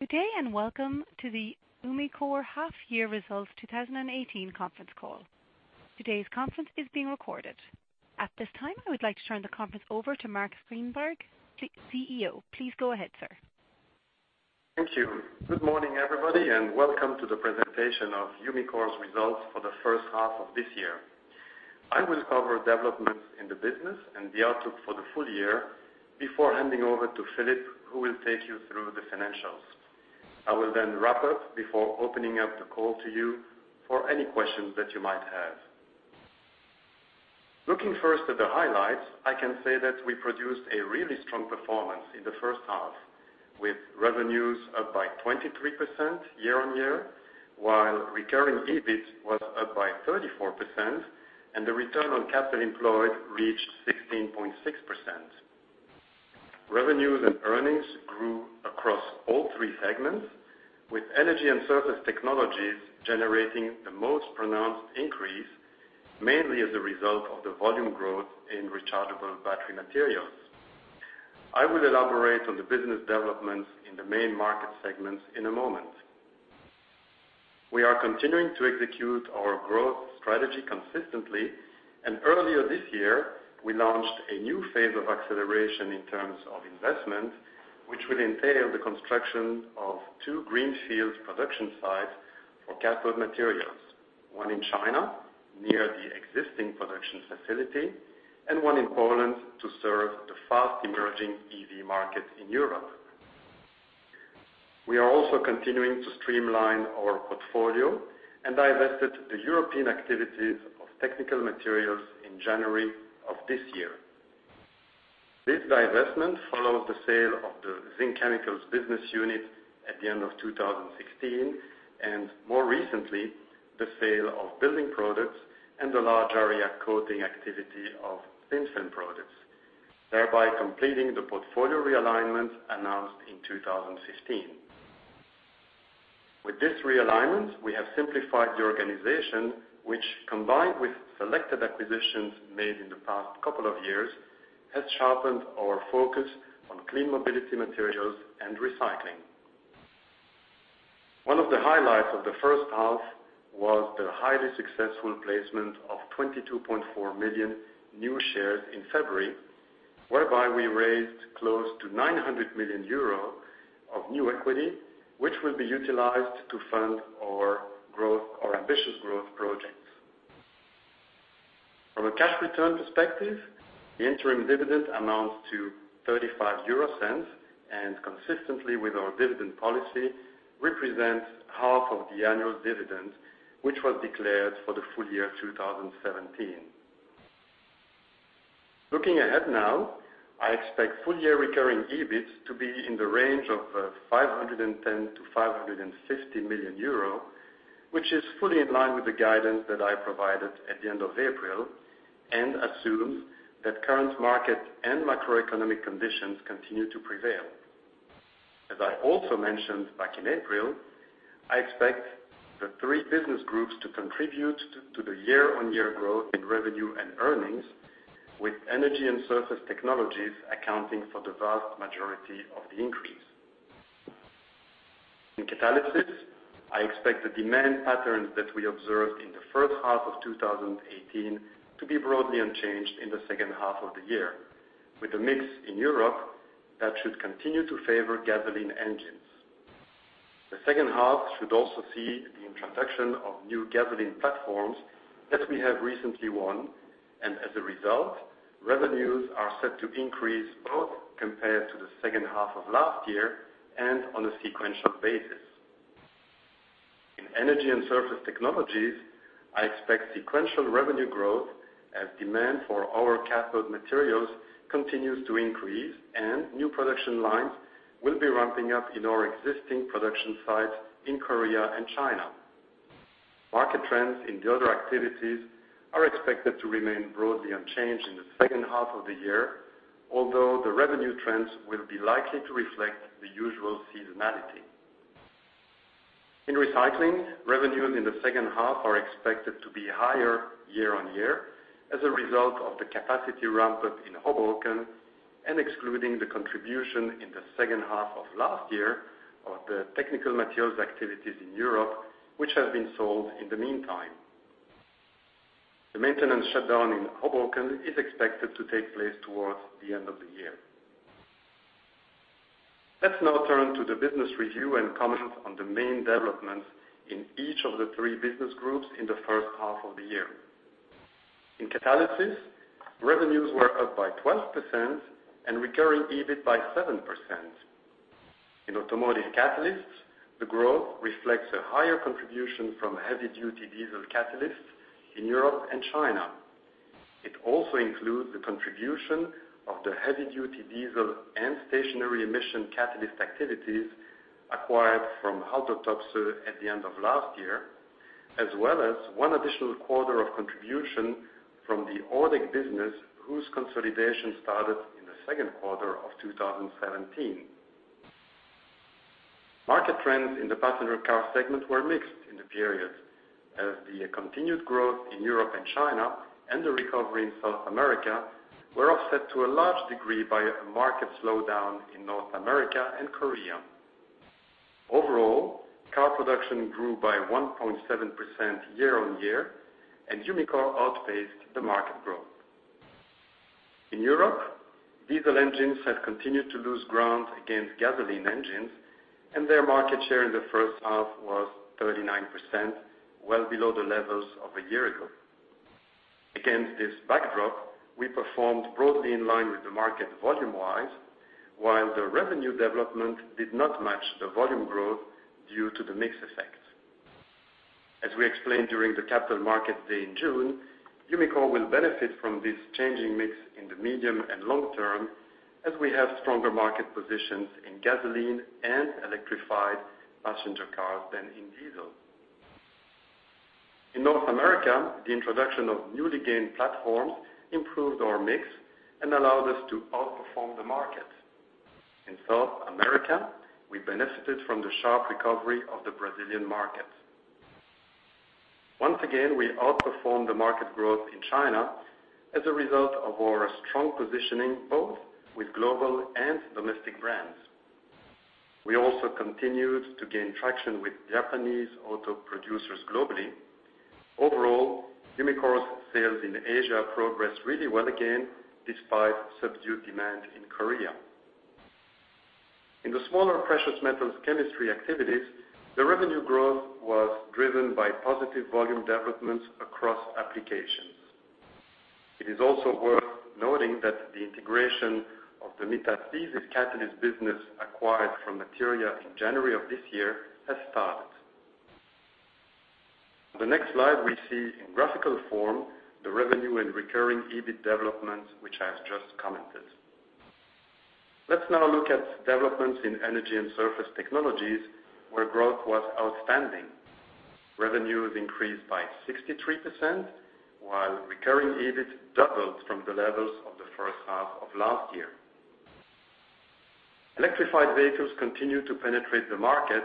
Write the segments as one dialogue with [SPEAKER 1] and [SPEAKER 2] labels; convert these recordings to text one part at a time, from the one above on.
[SPEAKER 1] Good day, welcome to the Umicore Half Year Results 2018 conference call. Today's conference is being recorded. At this time, I would like to turn the conference over to Marc Grynberg, CEO. Please go ahead, sir.
[SPEAKER 2] Thank you. Good morning, everybody, welcome to the presentation of Umicore's results for the first half of this year. I will cover developments in the business and the outlook for the full year before handing over to Filip, who will take you through the financials. I will wrap up before opening up the call to you for any questions that you might have. Looking first at the highlights, I can say that we produced a really strong performance in the first half, with revenues up by 23% year-on-year, while recurring EBIT was up by 34%, and the return on capital employed reached 16.6%. Revenues and earnings grew across all three segments, with Energy and Surface Technologies generating the most pronounced increase, mainly as a result of the volume growth in rechargeable battery materials. I will elaborate on the business developments in the main market segments in a moment. We are continuing to execute our growth strategy consistently, earlier this year, we launched a new phase of acceleration in terms of investment, which will entail the construction of two greenfield production sites for cathode materials. One in China, near the existing production facility, and one in Poland to serve the fast emerging EV market in Europe. We are also continuing to streamline our portfolio and divested the European activities of Technical Materials in January of this year. This divestment follows the sale of the zinc chemicals business unit at the end of 2016, more recently, the sale of Building Products and the large area coating activity of Thin Film Products, thereby completing the portfolio realignment announced in 2015. With this realignment, we have simplified the organization, which combined with selected acquisitions made in the past couple of years, has sharpened our focus on clean mobility materials and Recycling. One of the highlights of the first half was the highly successful placement of 22.4 million new shares in February, whereby we raised close to 900 million euro of new equity, which will be utilized to fund our ambitious growth projects. From a cash return perspective, the interim dividend amounts to 0.35 and consistently with our dividend policy, represents half of the annual dividend, which was declared for the full year 2017. Looking ahead now, I expect full year recurring EBIT to be in the range of 510 million-550 million euro, which is fully in line with the guidance that I provided at the end of April, and assumes that current market and macroeconomic conditions continue to prevail. As I also mentioned back in April, I expect the three business groups to contribute to the year-on-year growth in revenue and earnings, with Energy & Surface Technologies accounting for the vast majority of the increase. In Catalysis, I expect the demand patterns that we observed in the first half of 2018 to be broadly unchanged in the second half of the year. With a mix in Europe that should continue to favor gasoline engines. The second half should also see the introduction of new gasoline platforms that we have recently won, and as a result, revenues are set to increase both compared to the second half of last year and on a sequential basis. In Energy & Surface Technologies, I expect sequential revenue growth as demand for our cathode materials continues to increase and new production lines will be ramping up in our existing production sites in Korea and China. Market trends in the other activities are expected to remain broadly unchanged in the second half of the year, although the revenue trends will be likely to reflect the usual seasonality. In Recycling, revenues in the second half are expected to be higher year-on-year as a result of the capacity ramp-up in Hoboken and excluding the contribution in the second half of last year of the Technical Materials activities in Europe, which have been sold in the meantime. The maintenance shutdown in Hoboken is expected to take place towards the end of the year. Let's now turn to the business review and comment on the main developments in each of the three business groups in the first half of the year. In Catalysis, revenues were up by 12% and recurring EBIT by 7%. In automotive catalysts, the growth reflects a higher contribution from heavy-duty diesel catalysts in Europe and China. It also includes the contribution of the heavy-duty diesel and stationary emission catalyst activities acquired from Haldor Topsoe at the end of last year, as well as one additional quarter of contribution from the Ordeg business, whose consolidation started in the second quarter of 2017. Market trends in the passenger car segment were mixed in the period. The continued growth in Europe and China and the recovery in South America were offset to a large degree by a market slowdown in North America and Korea. Overall, car production grew by 1.7% year-on-year, and Umicore outpaced the market growth. In Europe, diesel engines have continued to lose ground against gasoline engines, and their market share in the first half was 39%, well below the levels of a year ago. Against this backdrop, we performed broadly in line with the market volume-wise, while the revenue development did not match the volume growth due to the mix effect. As we explained during the Capital Markets Day in June, Umicore will benefit from this changing mix in the medium and long term as we have stronger market positions in gasoline and electrified passenger cars than in diesel. In North America, the introduction of newly gained platforms improved our mix and allowed us to outperform the market. In South America, we benefited from the sharp recovery of the Brazilian market. Once again, we outperformed the market growth in China as a result of our strong positioning, both with global and domestic brands. We also continued to gain traction with Japanese auto producers globally. Overall, Umicore's sales in Asia progressed really well again despite subdued demand in Korea. In the smaller precious metals chemistry activities, the revenue growth was driven by positive volume developments across applications. It is also worth noting that the integration of the metathesis catalyst business acquired from Materia in January of this year has started. On the next slide, we see in graphical form the revenue and recurring EBIT developments, which I have just commented. Let's now look at developments in Energy and Surface Technologies, where growth was outstanding. Revenues increased by 63%, while recurring EBIT doubled from the levels of the first half of last year. Electrified vehicles continue to penetrate the market,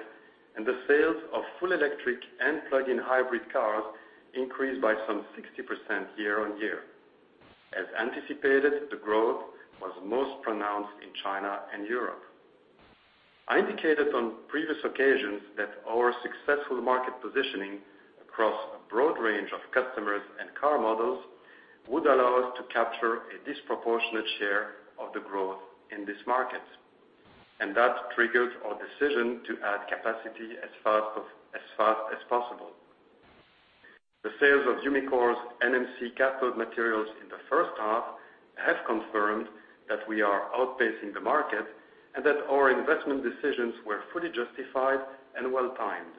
[SPEAKER 2] the sales of full electric and plug-in hybrid cars increased by some 60% year-on-year. As anticipated, the growth was most pronounced in China and Europe. I indicated on previous occasions that our successful market positioning across a broad range of customers and car models would allow us to capture a disproportionate share of the growth in this market. That triggered our decision to add capacity as fast as possible. The sales of Umicore's NMC cathode materials in the first half have confirmed that we are outpacing the market and that our investment decisions were fully justified and well-timed.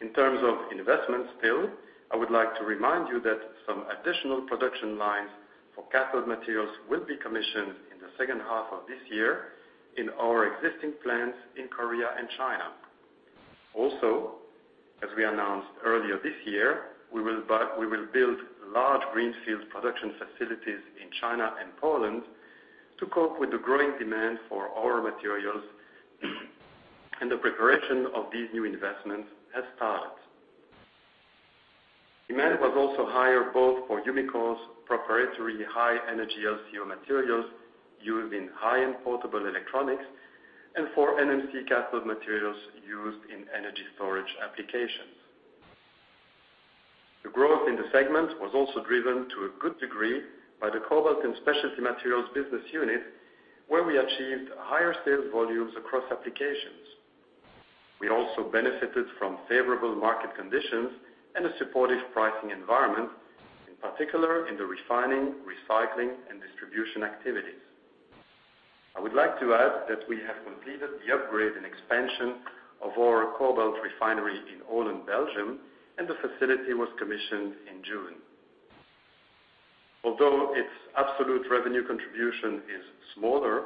[SPEAKER 2] In terms of investments still, I would like to remind you that some additional production lines for cathode materials will be commissioned in the second half of this year in our existing plants in Korea and China. As we announced earlier this year, we will build large greenfield production facilities in China and Poland to cope with the growing demand for our materials, the preparation of these new investments has started. Demand was also higher both for Umicore's proprietary high-energy LCO materials used in high-end portable electronics and for NMC cathode materials used in energy storage applications. The growth in the segment was also driven to a good degree by the Cobalt & Specialty Materials business unit, where we achieved higher sales volumes across applications. We also benefited from favorable market conditions and a supportive pricing environment, in particular in the refining, recycling, and distribution activities. I would like to add that we have completed the upgrade and expansion of our cobalt refinery in Olen, Belgium, and the facility was commissioned in June. Although its absolute revenue contribution is smaller,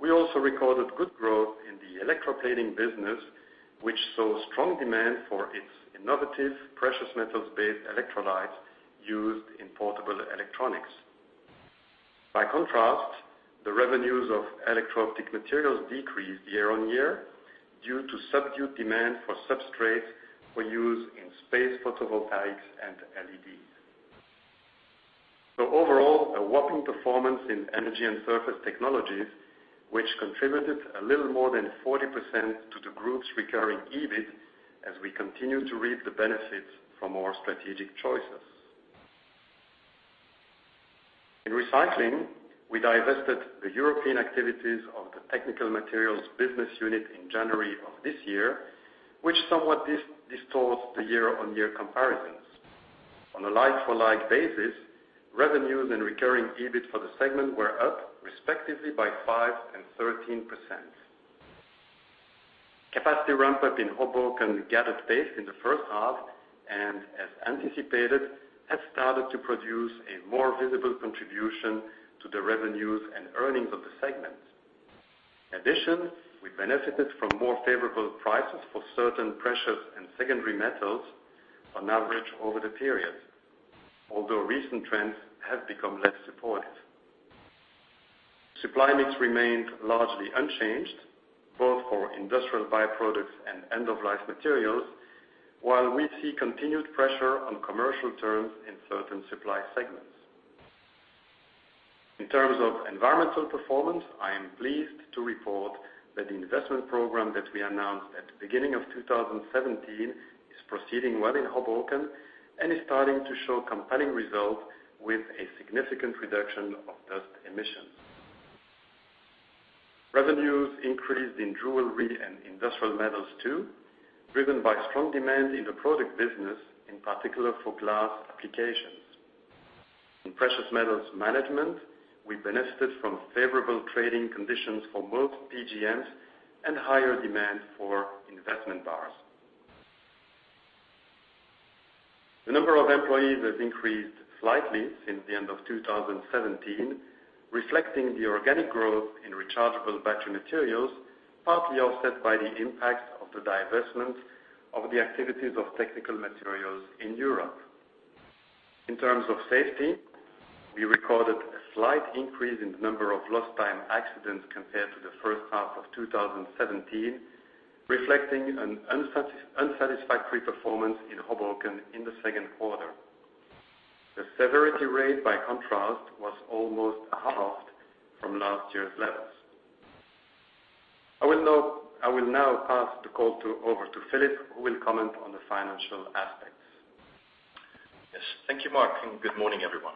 [SPEAKER 2] we also recorded good growth in the electroplating business, which saw strong demand for its innovative precious metals-based electrolytes used in portable electronics. By contrast, the revenues of electro optic materials decreased year-on-year due to subdued demand for substrates for use in space photovoltaics and LEDs. Overall, a whopping performance in Energy & Surface Technologies, which contributed a little more than 40% to the group's recurring EBIT as we continue to reap the benefits from our strategic choices. In Recycling, we divested the European activities of the Technical Materials business unit in January of this year, which somewhat distorts the year-on-year comparisons. On a like-for-like basis, revenues and recurring EBIT for the segment were up respectively by 5% and 13%. Capacity ramp-up in Hoboken gathered pace in the first half and, as anticipated, has started to produce a more visible contribution to the revenues and earnings of the segment. In addition, we benefited from more favorable prices for certain precious and secondary metals on average over the period. Although recent trends have become less supportive. Supply mix remained largely unchanged, both for industrial by-products and end-of-life materials, while we see continued pressure on commercial terms in certain supply segments. In terms of environmental performance, I am pleased to report that the investment program that we announced at the beginning of 2017 is proceeding well in Hoboken and is starting to show compelling results with a significant reduction of dust emissions. Revenues increased in jewelry and industrial metals too, driven by strong demand in the product business, in particular for glass applications. In precious metals management, we benefited from favorable trading conditions for most PGMs and higher demand for investment bars. The number of employees has increased slightly since the end of 2017, reflecting the organic growth in rechargeable battery materials, partly offset by the impact of the divestment of the activities of Technical Materials in Europe. In terms of safety, we recorded a slight increase in the number of lost-time accidents compared to the first half of 2017, reflecting an unsatisfactory performance in Hoboken in the second quarter. The severity rate, by contrast, was almost halved from last year's levels. I will now pass the call over to Filip, who will comment on the financial aspects.
[SPEAKER 3] Yes. Thank you, Marc, and good morning, everyone.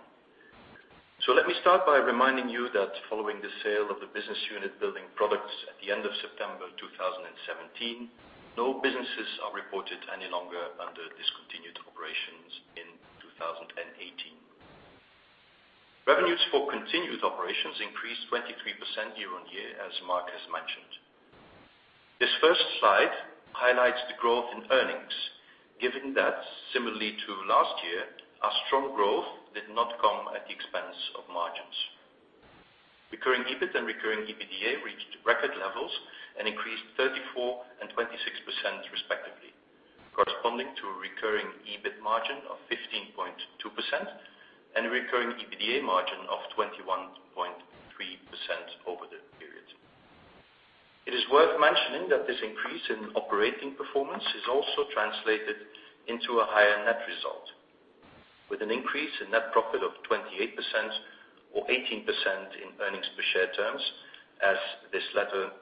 [SPEAKER 3] Let me start by reminding you that following the sale of the business unit Building Products at the end of September 2017, no businesses are reported any longer under discontinued operations in 2018. Revenues for continued operations increased 23% year-on-year, as Marc has mentioned. This first slide highlights the growth in earnings, given that similarly to last year, our strong growth did not come at the expense of margins. Recurring EBIT and recurring EBITDA reached record levels and increased 34% and 26% respectively, corresponding to a recurring EBIT margin of 15.2% and a recurring EBITDA margin of 21.3% over the period. It is worth mentioning that this increase in operating performance is also translated into a higher net result, with an increase in net profit of 28% or 18% in earnings per share terms, as this latter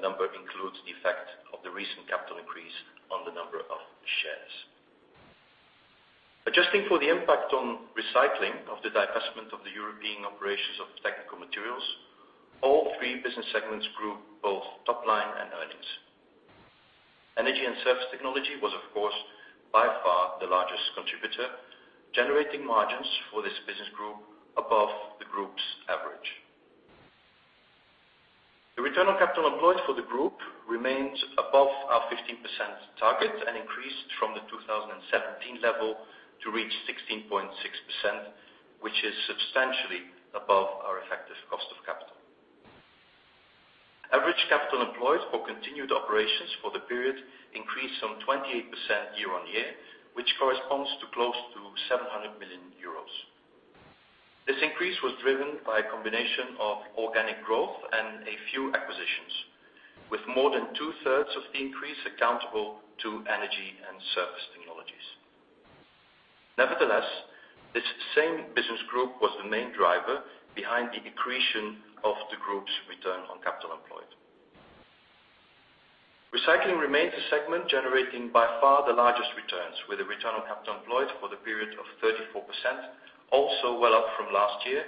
[SPEAKER 3] number includes the effect of the recent capital increase on the number of shares. Adjusting for the impact on Recycling of the divestment of the European operations of Technical Materials, all three business segments grew both top line and earnings. Energy & Surface Technologies was, of course, by far the largest contributor, generating margins for this business group above the group's average. The return on capital employed for the group remained above our 15% target and increased from the 2017 level to reach 16.6%, which is substantially above our effective cost of capital. Average capital employed for continued operations for the period increased some 28% year-on-year, which corresponds to close to 700 million euros. This increase was driven by a combination of organic growth and a few acquisitions, with more than two-thirds of the increase accountable to Energy & Surface Technologies. This same business group was the main driver behind the accretion of the group's return on capital employed. Recycling remains the segment generating by far the largest returns, with a return on capital employed for the period of 34%, also well up from last year,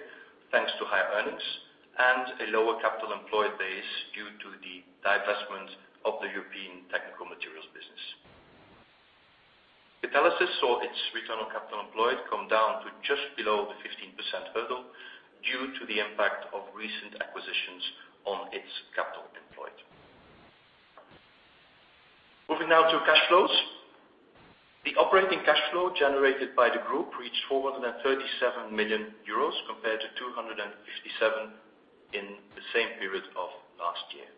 [SPEAKER 3] thanks to higher earnings and a lower capital employed base due to the divestment of the European Technical Materials business. Catalysis saw its return on capital employed come down to just below the 15% hurdle due to the impact of recent acquisitions on its capital employed. Moving now to cash flows. The operating cash flow generated by the group reached 437 million euros compared to 257 in the same period of last year.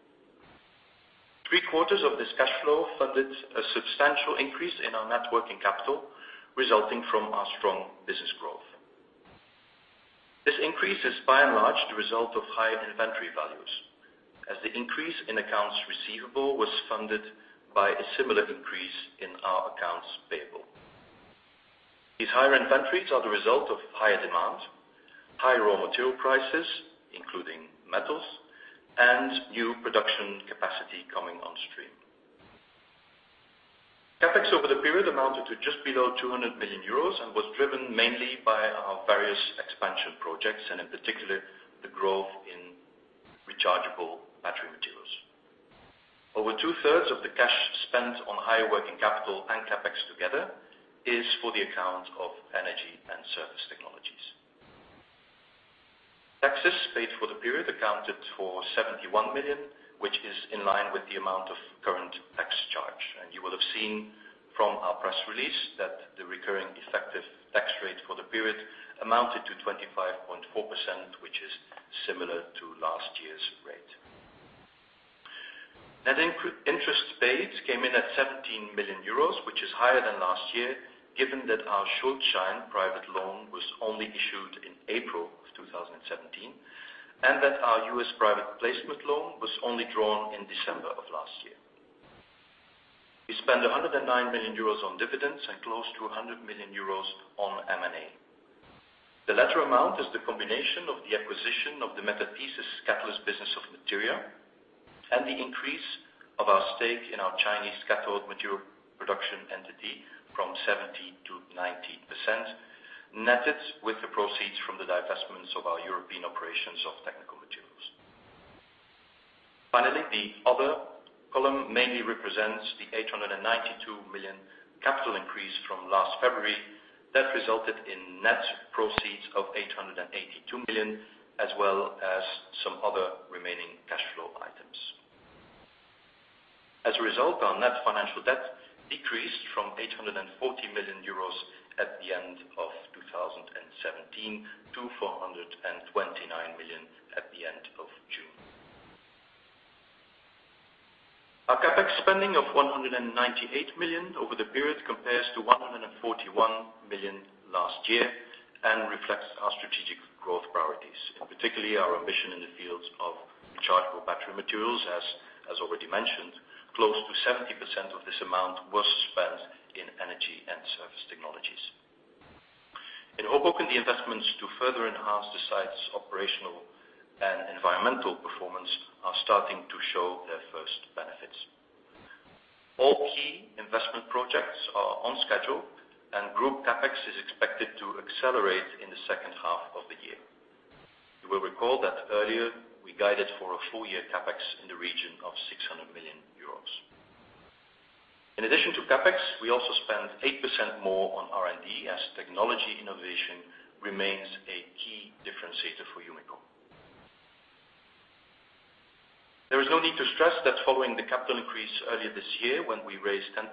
[SPEAKER 3] Three quarters of this cash flow funded a substantial increase in our net working capital, resulting from our strong business growth. This increase is by and large the result of higher inventory values, as the increase in accounts receivable was funded by a similar increase in our accounts payable. These higher inventories are the result of higher demand, higher raw material prices, including metals, and new production capacity coming on stream. CapEx over the period amounted to just below 200 million euros and was driven mainly by our various expansion projects, and in particular, the growth in rechargeable battery materials. Over two-thirds of the cash spent on higher working capital and CapEx together is for the account of Energy & Surface Technologies. Taxes paid for the period accounted for 71 million, which is in line with the amount of current tax charge. You will have seen from our press release that the recurring effective tax rate for the period amounted to 25.4%, which is similar to last year. Net interest paid came in at 17 million euros, which is higher than last year given that our Schuldschein private loan was only issued in April of 2017, and that our U.S. private placement loan was only drawn in December of last year. We spent 109 million euros on dividends and close to 100 million euros on M&A. The latter amount is the combination of the acquisition of the metathesis catalyst business of Materia, and the increase of our stake in our Chinese cathode material production entity from 70% to 90%, netted with the proceeds from the divestments of our European operations of Technical Materials. Finally, the other column mainly represents the 892 million capital increase from last February that resulted in net proceeds of 882 million, as well as some other remaining cash flow items. As a result, our net financial debt decreased from 840 million euros at the end of 2017 to 429 million at the end of June. Our CapEx spending of 198 million over the period compares to 141 million last year and reflects our strategic growth priorities, in particularly our ambition in the fields of rechargeable battery materials. As already mentioned, close to 70% of this amount was spent in Energy & Surface Technologies. In Olen, the investments to further enhance the site's operational and environmental performance are starting to show their first benefits. All key investment projects are on schedule, and group CapEx is expected to accelerate in the second half of the year. You will recall that earlier we guided for a full year CapEx in the region of 600 million euros. In addition to CapEx, we also spent 8% more on R&D, as technology innovation remains a key differentiator for Umicore. There is no need to stress that following the capital increase earlier this year when we raised 10%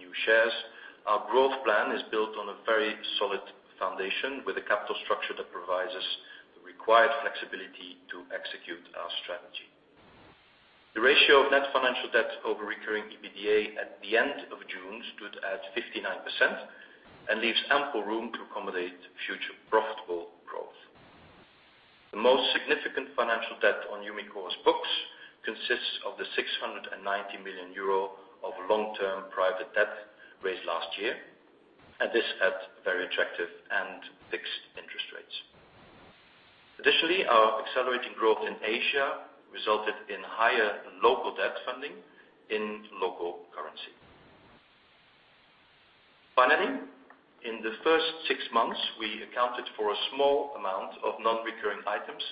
[SPEAKER 3] new shares, our growth plan is built on a very solid foundation with a capital structure that provides us the required flexibility to execute our strategy. The ratio of net financial debt over recurring EBITDA at the end of June stood at 59% and leaves ample room to accommodate future profitable growth. The most significant financial debt on Umicore's books consists of the 690 million euro of long-term private debt raised last year, and this at very attractive and fixed interest rates. Additionally, our accelerating growth in Asia resulted in higher local debt funding in local currency. Finally, in the first six months, we accounted for a small amount of non-recurring items,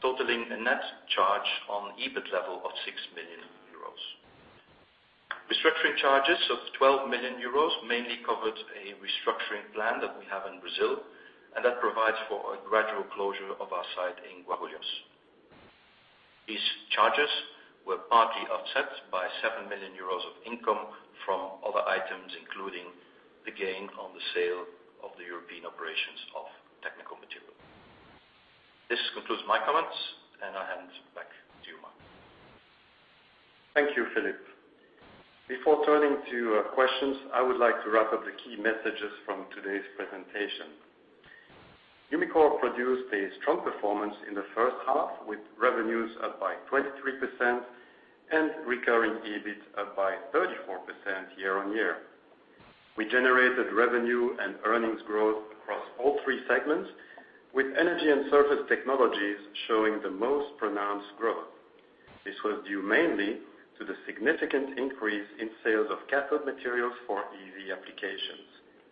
[SPEAKER 3] totaling a net charge on EBIT level of 6 million euros. Restructuring charges of 12 million euros mainly covered a restructuring plan that we have in Brazil, and that provides for a gradual closure of our site in Guarulhos. These charges were partly offset by 7 million euros of income from other items, including the gain on the sale of the European operations of Technical Materials. This concludes my comments, and I hand back to you, Marc.
[SPEAKER 2] Thank you, Filip. Before turning to questions, I would like to wrap up the key messages from today's presentation. Umicore produced a strong performance in the first half, with revenues up by 23% and recurring EBIT up by 34% year-on-year. We generated revenue and earnings growth across all three segments, with Energy & Surface Technologies showing the most pronounced growth. This was due mainly to the significant increase in sales of cathode materials for EV applications,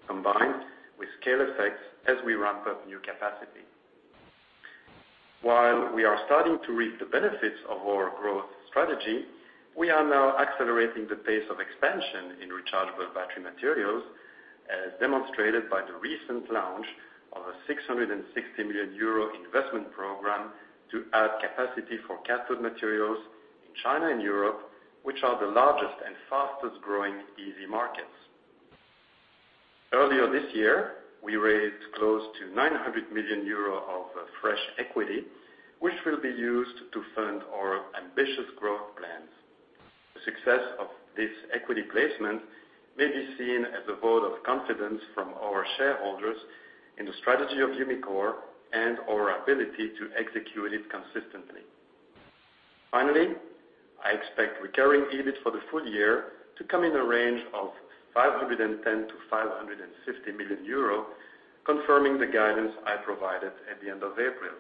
[SPEAKER 2] combined with scale effects as we ramp up new capacity. While we are starting to reap the benefits of our growth strategy, we are now accelerating the pace of expansion in rechargeable battery materials, as demonstrated by the recent launch of a 660 million euro investment program to add capacity for cathode materials in China and Europe, which are the largest and fastest growing EV markets. Earlier this year, we raised close to 900 million euro of fresh equity, which will be used to fund our ambitious growth plans. The success of this equity placement may be seen as a vote of confidence from our shareholders in the strategy of Umicore and our ability to execute it consistently. Finally, I expect recurring EBIT for the full year to come in the range of 510 million to 550 million euro, confirming the guidance I provided at the end of April.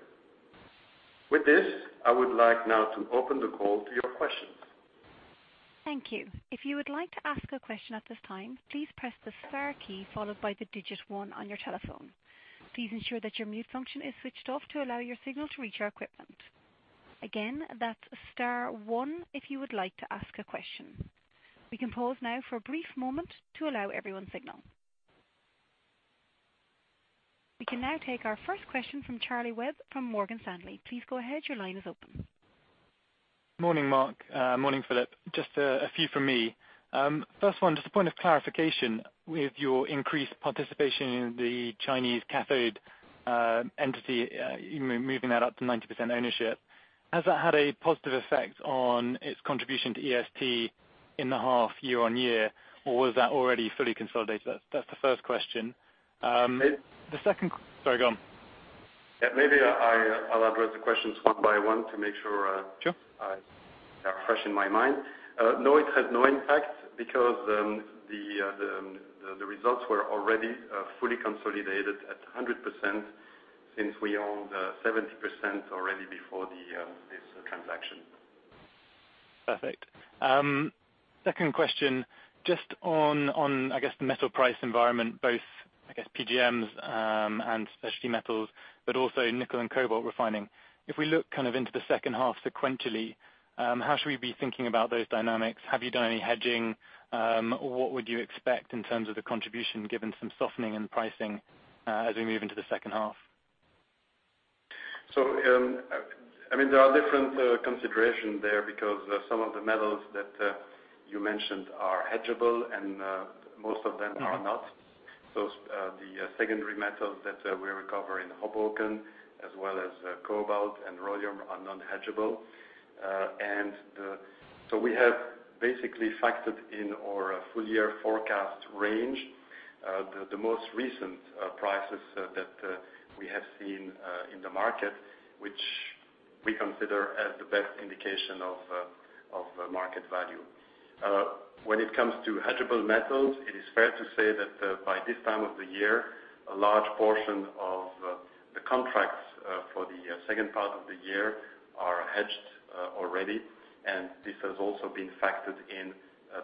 [SPEAKER 2] With this, I would like now to open the call to your questions.
[SPEAKER 1] Thank you. If you would like to ask a question at this time, please press the star key followed by the digit 1 on your telephone. Please ensure that your mute function is switched off to allow your signal to reach our equipment. Again, that's star one if you would like to ask a question. We can pause now for a brief moment to allow everyone's signal. We can now take our first question from Charles Webb from Morgan Stanley. Please go ahead. Your line is open.
[SPEAKER 4] Morning, Marc. Morning, Filip. Just a few from me. First one, just a point of clarification. With your increased participation in the Chinese cathode entity, you've been moving that up to 90% ownership. Has that had a positive effect on its contribution to EST in the half year on year, or was that already fully consolidated? That's the first question.
[SPEAKER 2] Maybe-
[SPEAKER 4] Sorry, go on.
[SPEAKER 2] Yeah, maybe I'll address the questions one by one to make sure
[SPEAKER 4] Sure
[SPEAKER 2] It had no impact because the results were already fully consolidated at 100%, since we owned 70% already before this transaction.
[SPEAKER 4] Perfect. Second question, just on, I guess the metal price environment, both PGMs and specialty metals, but also nickel and cobalt refining. If we look into the second half sequentially, how should we be thinking about those dynamics? Have you done any hedging? What would you expect in terms of the contribution, given some softening in pricing, as we move into the second half?
[SPEAKER 2] There are different consideration there because, some of the metals that you mentioned are hedgeable and most of them are not. The secondary metals that we recover in Hoboken, as well as cobalt and rhodium are non-hedgeable. We have basically factored in our full year forecast range, the most recent prices that we have seen in the market, which we consider as the best indication of market value. When it comes to hedgeable metals, it is fair to say that by this time of the year, a large portion of the contracts for the second part of the year are hedged already, and this has also been factored in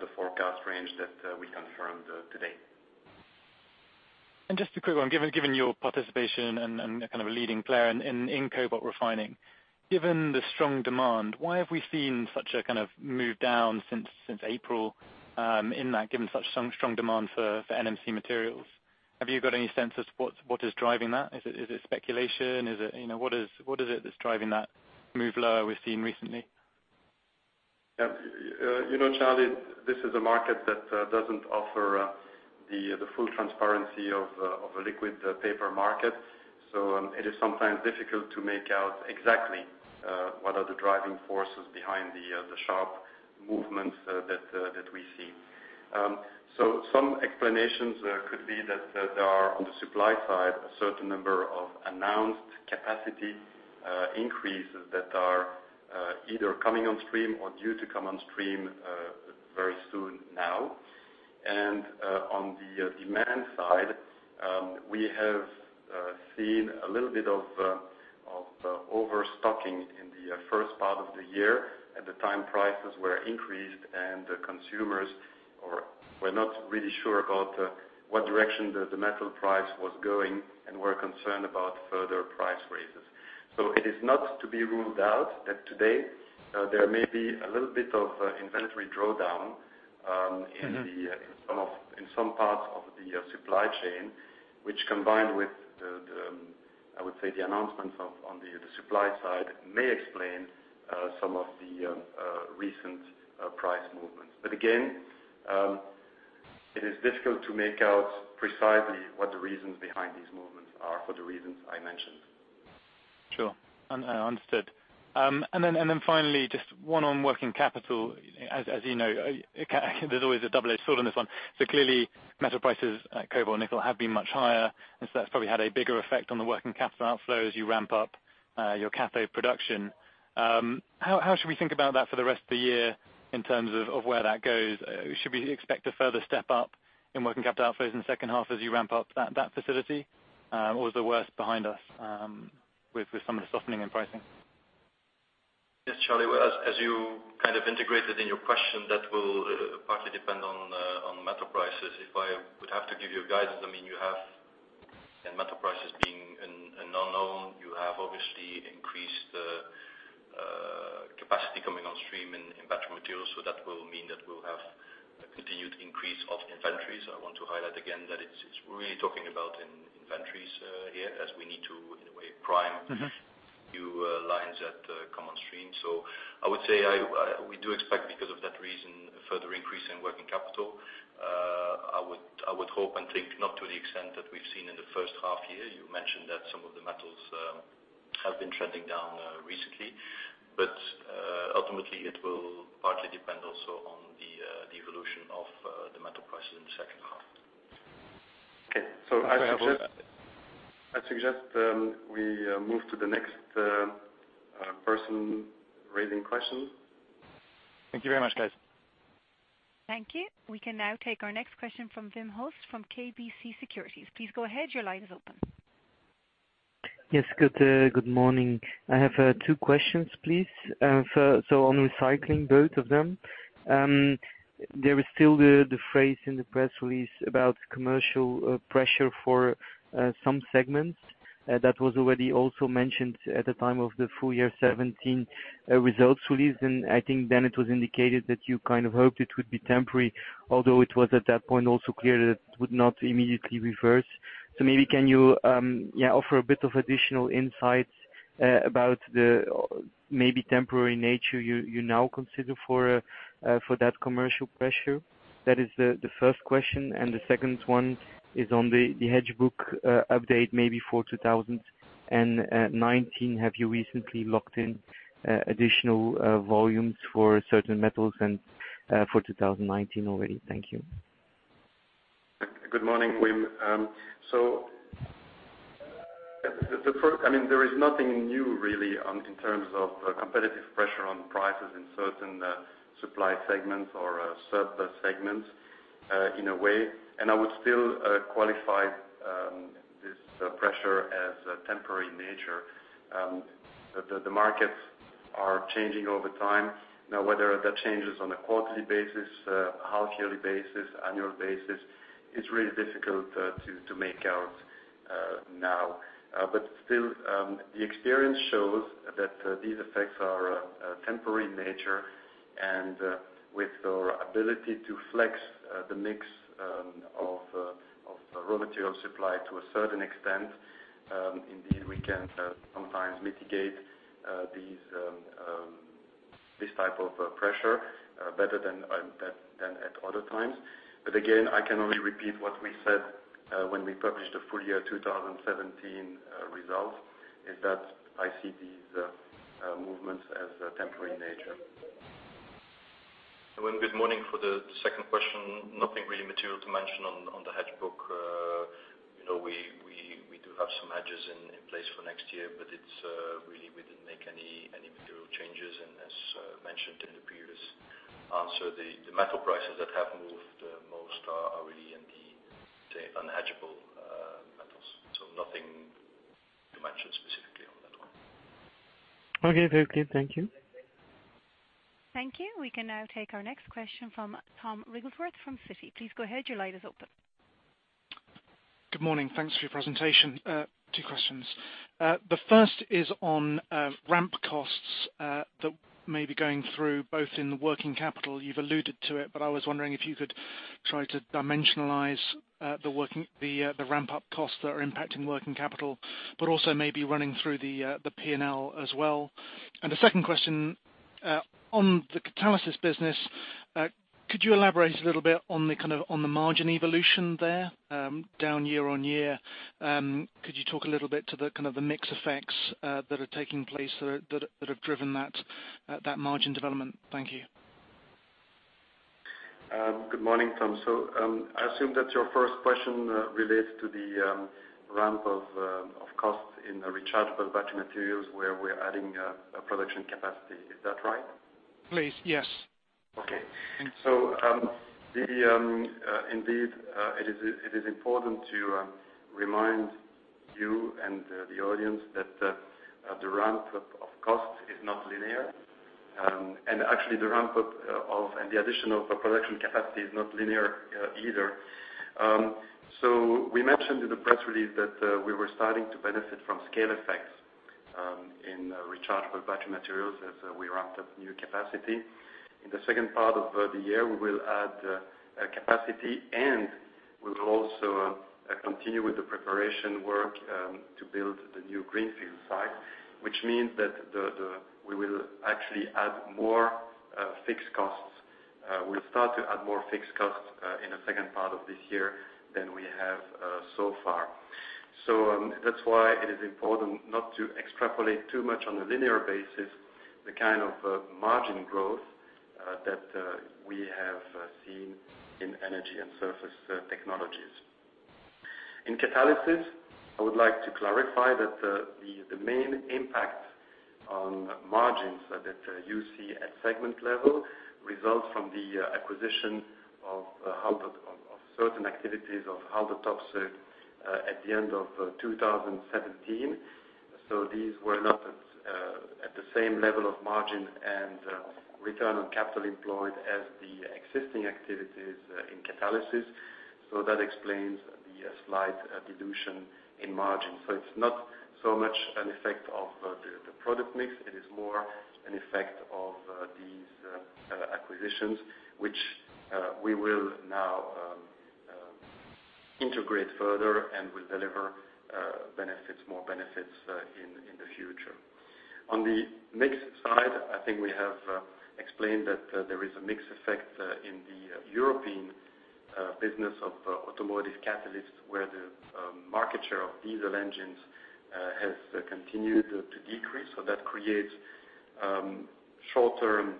[SPEAKER 2] the forecast range that we confirmed today.
[SPEAKER 4] Just a quick one, given your participation and kind of a leading player in cobalt refining. Given the strong demand, why have we seen such a kind of move down since April in that, given such strong demand for NMC materials? Have you got any sense as to what is driving that? Is it speculation? What is it that's driving that move lower we've seen recently?
[SPEAKER 2] Charlie, this is a market that doesn't offer the full transparency of a liquid paper market. It is sometimes difficult to make out exactly what are the driving forces behind the sharp movements that we see. Some explanations could be that there are, on the supply side, a certain number of announced capacity increases that are either coming on stream or due to come on stream very soon now. On the demand side, we have seen a little bit of overstocking in the first part of the year at the time prices were increased, and the consumers were not really sure about what direction the metal price was going and were concerned about further price raises. It is not to be ruled out that today there may be a little bit of inventory drawdown in some parts of the supply chain, which combined with the, I would say, the announcements on the supply side may explain some of the recent price movements. Again, it is difficult to make out precisely what the reasons behind these movements are for the reasons I mentioned.
[SPEAKER 4] Sure. Understood. Finally, just one on working capital. As you know, there's always a double-edged sword on this one. Clearly metal prices, cobalt, nickel, have been much higher, and so that's probably had a bigger effect on the working capital outflows as you ramp up your cathode production. How should we think about that for the rest of the year in terms of where that goes? Should we expect a further step up in working capital outflows in the second half as you ramp up that facility? Is the worst behind us with some of the softening and pricing?
[SPEAKER 2] Yes, Charlie, as you kind of integrated in your question, that will partly depend on metal prices. If I would have to give you guidance, you have metal prices being an unknown. You have obviously increased capacity coming on stream in battery materials. That will mean that we'll have a continued increase of inventories. I want to highlight again that it's really talking about inventories here as we need to, in a way. new lines that come on stream. I would say we do expect, because of that reason, a further increase in working capital. I would hope and think not to the extent that we've seen in the first half year. You mentioned that some of the metals have been trending down recently. Ultimately, it will partly depend also on the evolution of the metal prices in the second half. Okay. I suggest we move to the next person raising questions.
[SPEAKER 4] Thank you very much, guys.
[SPEAKER 1] Thank you. We can now take our next question from Wim Hoste from KBC Securities. Please go ahead. Your line is open.
[SPEAKER 5] Yes. Good morning. I have two questions, please. On Recycling, both of them. There is still the phrase in the press release about commercial pressure for some segments. That was already also mentioned at the time of the full year 2017 results release, and I think then it was indicated that you kind of hoped it would be temporary, although it was at that point also clear that it would not immediately reverse. Maybe can you offer a bit of additional insights about the maybe temporary nature you now consider for that commercial pressure? That is the first question. The second one is on the hedge book update, maybe for 2019. Have you recently locked in additional volumes for certain metals and for 2019 already? Thank you.
[SPEAKER 2] Good morning, Wim. There is nothing new, really, in terms of competitive pressure on prices in certain supply segments or sub-segments, in a way. I would still qualify this pressure as temporary nature. The markets are changing over time. Whether that change is on a quarterly basis, half-yearly basis, annual basis, it's really difficult to make out now. Still, the experience shows that these effects are temporary in nature, and with our ability to flex the mix of raw material supply to a certain extent, indeed, we can sometimes mitigate this type of pressure better than at other times. Again, I can only repeat what we said when we published the full year 2017 results, is that I see these movements as temporary in nature.
[SPEAKER 3] Wim, good morning. For the second question, nothing really material to mention on the hedge book. We do have some hedges in place for next year. Really, we didn't make any material changes, and as mentioned in the previous answer, the metal prices that have moved the most are really in the unhedgeable metals. Nothing to mention specifically on that one.
[SPEAKER 5] Okay. Very clear. Thank you.
[SPEAKER 1] Thank you. We can now take our next question from Thomas Wrigglesworth from Citi. Please go ahead. Your line is open.
[SPEAKER 6] Good morning. Thanks for your presentation. Two questions. The first is on ramp costs that may be going through, both in the working capital, you've alluded to it, but I was wondering if you could try to dimensionalize the ramp-up costs that are impacting working capital, but also maybe running through the P&L as well. The second question, on the Catalysis business, could you elaborate a little bit on the margin evolution there, down year-on-year? Could you talk a little bit to the kind of the mix effects that are taking place that have driven that margin development? Thank you.
[SPEAKER 2] Good morning, Tom. I assume that your first question relates to the ramp of costs in the rechargeable battery materials where we're adding production capacity. Is that right?
[SPEAKER 6] Please. Yes.
[SPEAKER 2] Okay.
[SPEAKER 6] Thank you.
[SPEAKER 2] Indeed, it is important to remind you and the audience that the ramp-up of cost is not linear. Actually, the ramp-up of and the addition of production capacity is not linear either. We mentioned in the press release that we were starting to benefit from scale effects in rechargeable battery materials as we ramped up new capacity. In the second part of the year, we will add capacity, and we will also continue with the preparation work to build the new greenfield site, which means that we will actually add more fixed costs. We will start to add more fixed costs in the second part of this year than we have so far. That is why it is important not to extrapolate too much on a linear basis, the kind of margin growth that we have seen in Energy & Surface Technologies. In Catalysis, I would like to clarify that the main impact on margins that you see at segment level results from the acquisition of certain activities of Haldor Topsoe at the end of 2017. These were not at the same level of margin and return on capital employed as the existing activities in Catalysis. That explains the slight dilution in margin. It is not so much an effect of the product mix. It is more an effect of these acquisitions, which we will now integrate further and will deliver more benefits in the future. On the mix side, I think we have explained that there is a mix effect in the European business of automotive catalysts, where the market share of diesel engines has continued to decrease. That creates short-term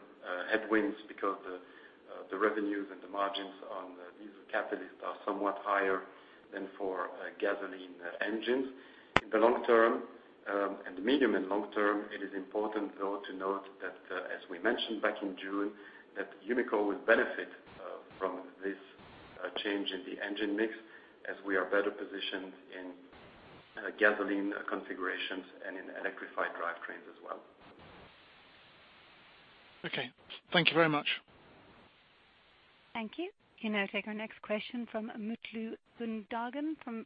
[SPEAKER 2] headwinds because the revenues and the margins on diesel catalysts are somewhat higher than for gasoline engines. In the medium and long term, it is important, though, to note that, as we mentioned back in June, that Umicore will benefit from this change in the engine mix as we are better positioned in gasoline configurations and in electrified drivetrains as well.
[SPEAKER 6] Okay. Thank you very much.
[SPEAKER 1] Thank you. We now take our next question from Mutlu Gundogan from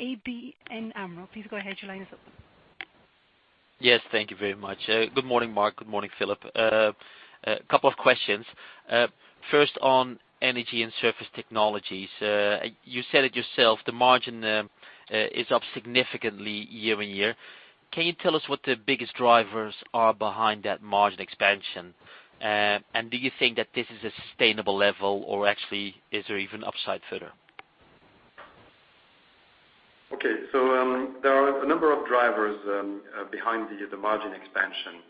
[SPEAKER 1] ABN AMRO. Please go ahead. Your line is open.
[SPEAKER 7] Yes. Thank you very much. Good morning, Marc. Good morning, Filip. A couple of questions. First, on Energy & Surface Technologies. You said it yourself, the margin is up significantly year-over-year. Can you tell us what the biggest drivers are behind that margin expansion? Do you think that this is a sustainable level, or actually, is there even upside further?
[SPEAKER 2] There are a number of drivers behind the margin expansion.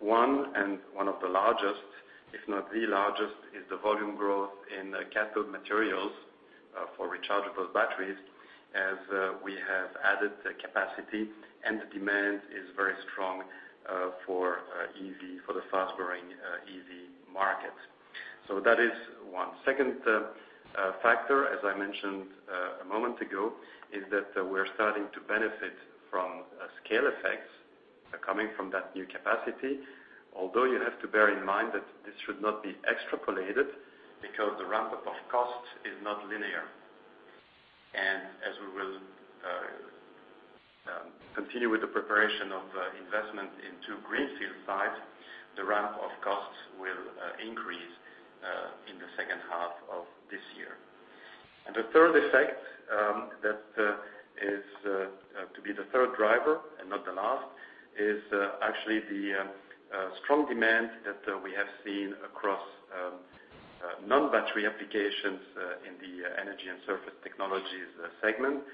[SPEAKER 2] One, and one of the largest, if not the largest, is the volume growth in cathode materials for rechargeable batteries as we have added capacity and the demand is very strong for the fast-growing EV market. That is one. Second factor, as I mentioned a moment ago, is that we're starting to benefit from scale effects coming from that new capacity, although you have to bear in mind that this should not be extrapolated because the ramp-up of costs is not linear. As we will continue with the preparation of investment into greenfield sites, the ramp of costs will increase in the second half of this year. The third effect, that is to be the third driver and not the last, is actually the strong demand that we have seen across non-battery applications in the Energy and Surface Technologies segment,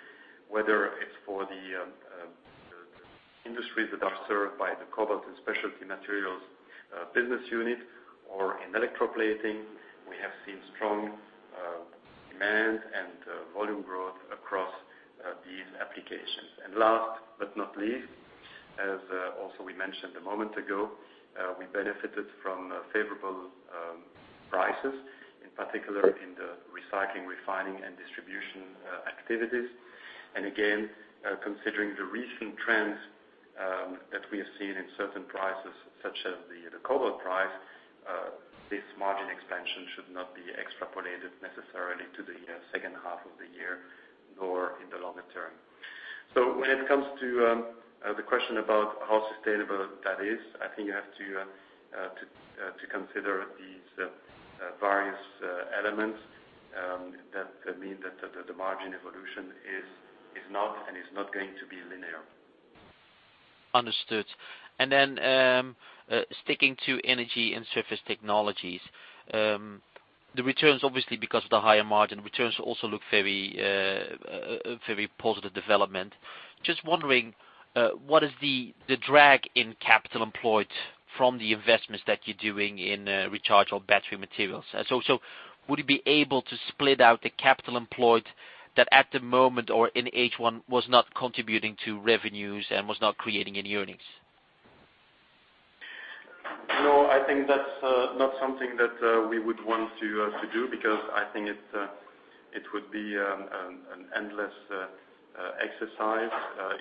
[SPEAKER 2] whether it's for the industries that are served by the Cobalt and Specialty Materials business unit or in electroplating. We have seen strong demand and volume growth across these applications. Last but not least, as also we mentioned a moment ago, we benefited from favorable prices, in particular in the recycling, refining, and distribution activities. Again, considering the recent trends that we have seen in certain prices such as the cobalt price, this margin expansion should not be extrapolated necessarily to the second half of the year nor in the longer term. When it comes to the question about how sustainable that is, I think you have to consider these various elements that mean that the margin evolution is not and is not going to be linear.
[SPEAKER 7] Understood. Then sticking to Energy and Surface Technologies. The returns, obviously, because of the higher margin, returns also look very positive development. Just wondering, what is the drag in capital employed from the investments that you're doing in rechargeable battery materials? Would you be able to split out the capital employed that at the moment or in H1 was not contributing to revenues and was not creating any earnings?
[SPEAKER 2] No, I think that's not something that we would want to do because I think it would be an endless exercise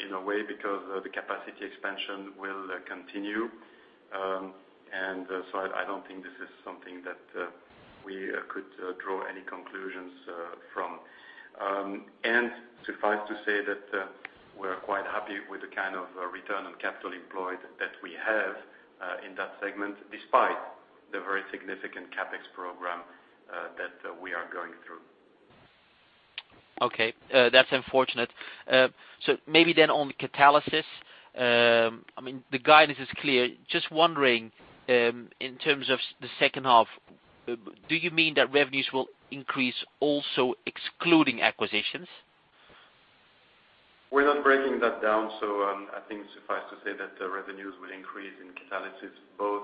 [SPEAKER 2] in a way because the capacity expansion will continue. I don't think this is something that we could draw any conclusions from. Suffice to say that we're quite happy with the kind of return on capital employed that we have in that segment, despite the very significant CapEx program that we are going through.
[SPEAKER 7] Okay. That's unfortunate. Maybe then on Catalysis. The guidance is clear. Just wondering, in terms of the second half, do you mean that revenues will increase also excluding acquisitions?
[SPEAKER 2] We're not breaking that down. I think suffice to say that the revenues will increase in Catalysis both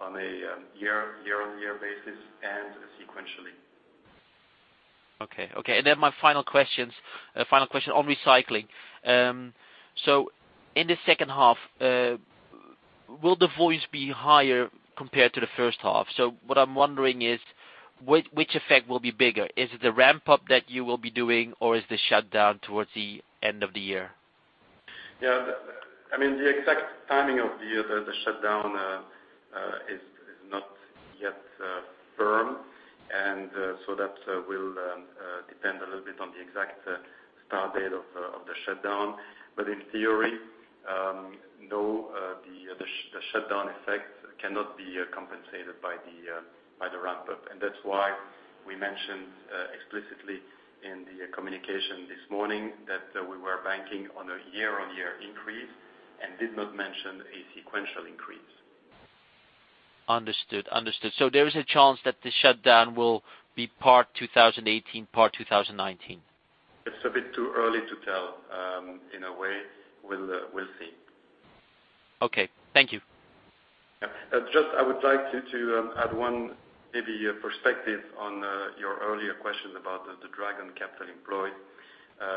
[SPEAKER 2] on a year-on-year basis and sequentially.
[SPEAKER 7] Okay. My final question on Recycling. In the second half, will the volume be higher compared to the first half? What I'm wondering is, which effect will be bigger? Is it the ramp-up that you will be doing or is the shutdown towards the end of the year?
[SPEAKER 2] Yeah. The exact timing of the shutdown is not yet firm, that will depend a little bit on the exact start date of the shutdown. In theory, no, the shutdown effect cannot be compensated by the ramp-up. That's why we mentioned explicitly in the communication this morning that we were banking on a year-on-year increase and did not mention a sequential increase.
[SPEAKER 7] Understood. There is a chance that the shutdown will be part 2018, part 2019?
[SPEAKER 2] It's a bit too early to tell, in a way. We'll see.
[SPEAKER 7] Okay. Thank you.
[SPEAKER 2] Yeah. Just I would like to add one maybe perspective on your earlier question about the drag on capital employed.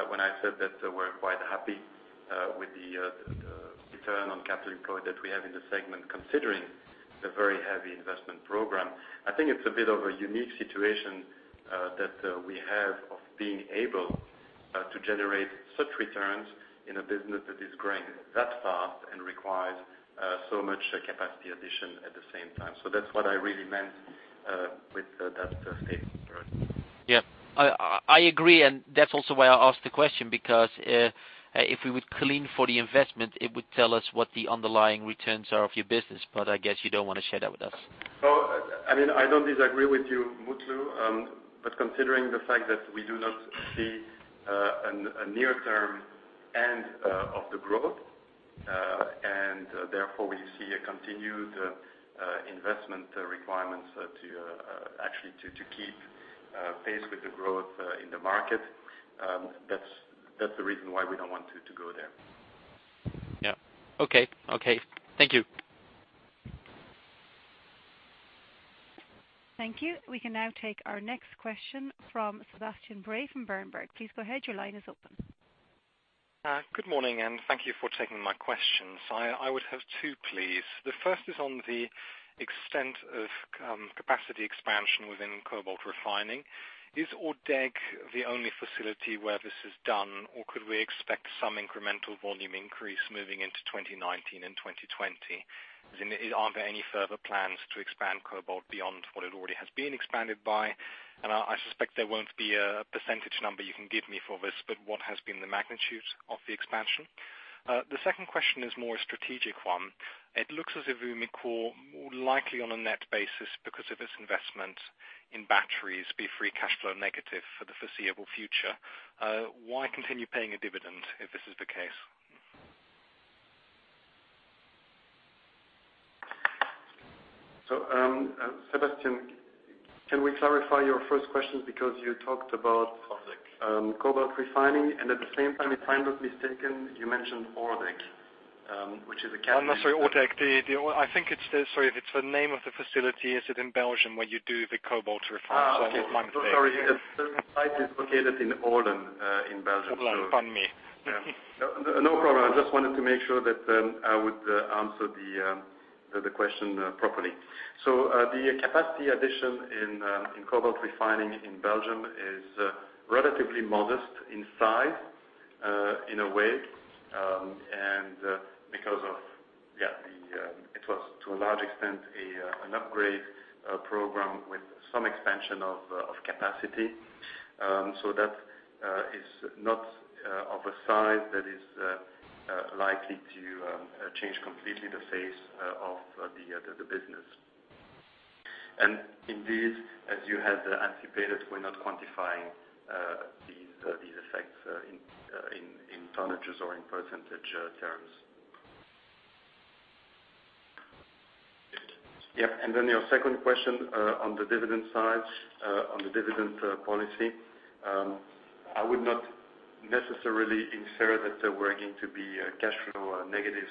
[SPEAKER 2] When I said that we're quite happy with the return on capital employed that we have in the segment, considering the very heavy investment program. I think it's a bit of a unique situation that we have of being able to generate such returns in a business that is growing that fast and requires so much capacity addition at the same time. That's what I really meant with that statement.
[SPEAKER 7] I agree, that's also why I asked the question, because if we would clean for the investment, it would tell us what the underlying returns are of your business, I guess you don't want to share that with us.
[SPEAKER 2] I don't disagree with you, Mutlu, considering the fact that we do not see a near-term end of the growth, therefore we see a continued investment requirement to actually keep pace with the growth in the market, that's the reason why we don't want to go there.
[SPEAKER 7] Yeah. Okay. Thank you.
[SPEAKER 1] Thank you. We can now take our next question from Sebastian Bray from Berenberg. Please go ahead. Your line is open.
[SPEAKER 8] Good morning. Thank you for taking my questions. I would have two, please. The first is on the extent of capacity expansion within cobalt refining. Is Olen the only facility where this is done, or could we expect some incremental volume increase moving into 2019 and 2020? Aren't there any further plans to expand cobalt beyond what it already has been expanded by? I suspect there won't be a percentage number you can give me for this, but what has been the magnitude of the expansion? The second question is a more strategic one. It looks as if Umicore, more likely on a net basis because of its investment in batteries, be free cash flow negative for the foreseeable future. Why continue paying a dividend if this is the case?
[SPEAKER 2] Sebastian, can we clarify your first question? Because you talked about.
[SPEAKER 8] Olen
[SPEAKER 2] Cobalt refining, and at the same time, if I'm not mistaken, you mentioned Olen, which is a catalyst.
[SPEAKER 8] I'm sorry, Olen. Sorry, it's the name of the facility. Is it in Belgium where you do the cobalt refining?
[SPEAKER 2] Oh, sorry. The site is located in Olen, in Belgium.
[SPEAKER 8] Olen. Pardon me.
[SPEAKER 2] No problem. I just wanted to make sure that I would answer the question properly. The capacity addition in cobalt refining in Belgium is relatively modest in size, in a way, and because it was, to a large extent, an upgrade program with some expansion of capacity. That is not of a size that is likely to change completely the face of the business. Indeed, as you had anticipated, we're not quantifying these effects in tonnages or in % terms.
[SPEAKER 8] Good.
[SPEAKER 2] Yeah. Then your second question on the dividend side, on the dividend policy. I would not necessarily infer that we're going to be cash flow negative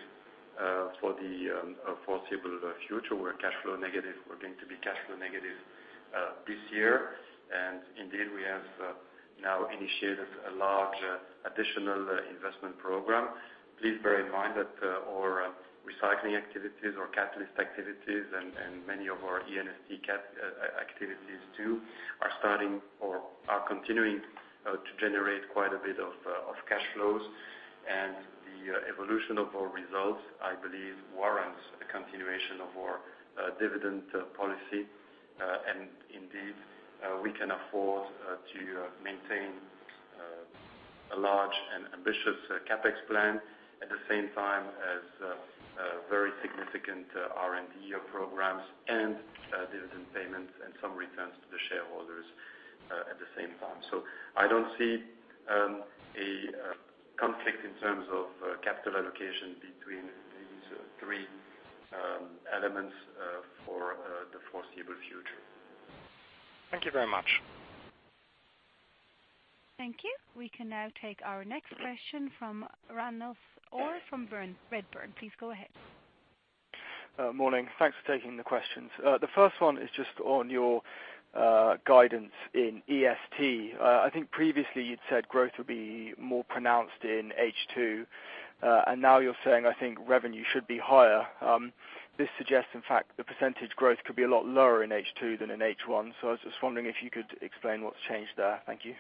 [SPEAKER 2] for the foreseeable future. We're cash flow negative. We're going to be cash flow negative this year. Indeed, we have now initiated a large additional investment program. Please bear in mind that our Recycling activities, our Catalysis activities, and many of our E&ST activities, too, are continuing to generate quite a bit of cash flows. The evolution of our results, I believe, warrants a continuation of our dividend policy. Indeed, we can afford to maintain a large and ambitious CapEx plan at the same time as very significant R&D programs and dividend payments and some returns to the shareholders at the same time. I don't see a conflict in terms of capital allocation between these three elements for the foreseeable future.
[SPEAKER 8] Thank you very much.
[SPEAKER 1] Thank you. We can now take our next question from Ranulf Orr from Redburn. Please go ahead.
[SPEAKER 9] Morning. Thanks for taking the questions. The first one is just on your guidance in EST. I think previously you'd said growth would be more pronounced in H2, and now you're saying, I think, revenue should be higher. This suggests, in fact, the percentage growth could be a lot lower in H2 than in H1. I was just wondering if you could explain what's changed there. Thank you.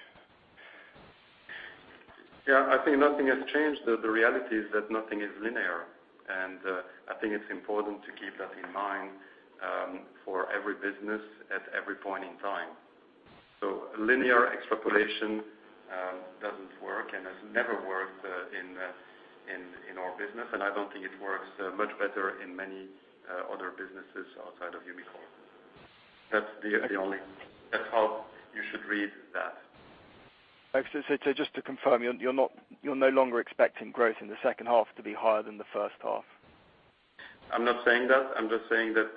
[SPEAKER 2] Yeah. I think nothing has changed. The reality is that nothing is linear, and I think it's important to keep that in mind for every business at every point in time. Linear extrapolation doesn't work and has never worked in our business, and I don't think it works much better in many other businesses outside of Umicore. That's how you should read that.
[SPEAKER 9] Just to confirm, you're no longer expecting growth in the second half to be higher than the first half?
[SPEAKER 2] I'm not saying that. I'm just saying that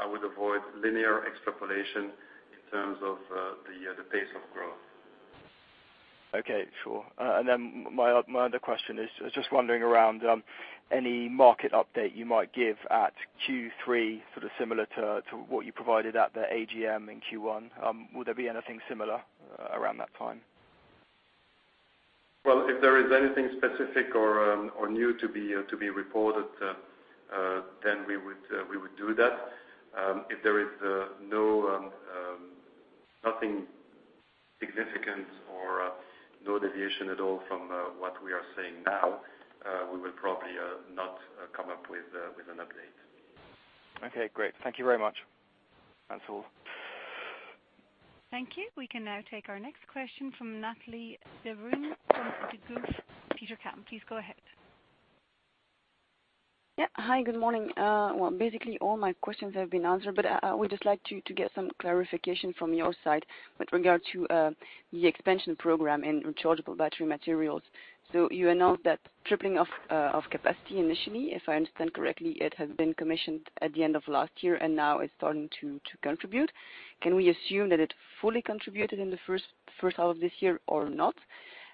[SPEAKER 2] I would avoid linear extrapolation in terms of the pace of growth.
[SPEAKER 9] Okay, sure. Then my other question is, I was just wondering around any market update you might give at Q3, sort of similar to what you provided at the AGM in Q1. Will there be anything similar around that time?
[SPEAKER 2] Well, if there is anything specific or new to be reported, then we would do that. If there is nothing significant or no deviation at all from what we are saying now, we will probably not come up with an update.
[SPEAKER 9] Okay, great. Thank you very much. That's all.
[SPEAKER 1] Thank you. We can now take our next question from Nathalie Debruyne fromDegroof Petercam. Please go ahead.
[SPEAKER 10] Yeah. Hi, good morning. Well, basically all my questions have been answered, but I would just like to get some clarification from your side with regard to the expansion program in rechargeable battery materials. You announced that tripling of capacity initially, if I understand correctly, it has been commissioned at the end of last year and now it's starting to contribute. Can we assume that it fully contributed in the first half of this year or not?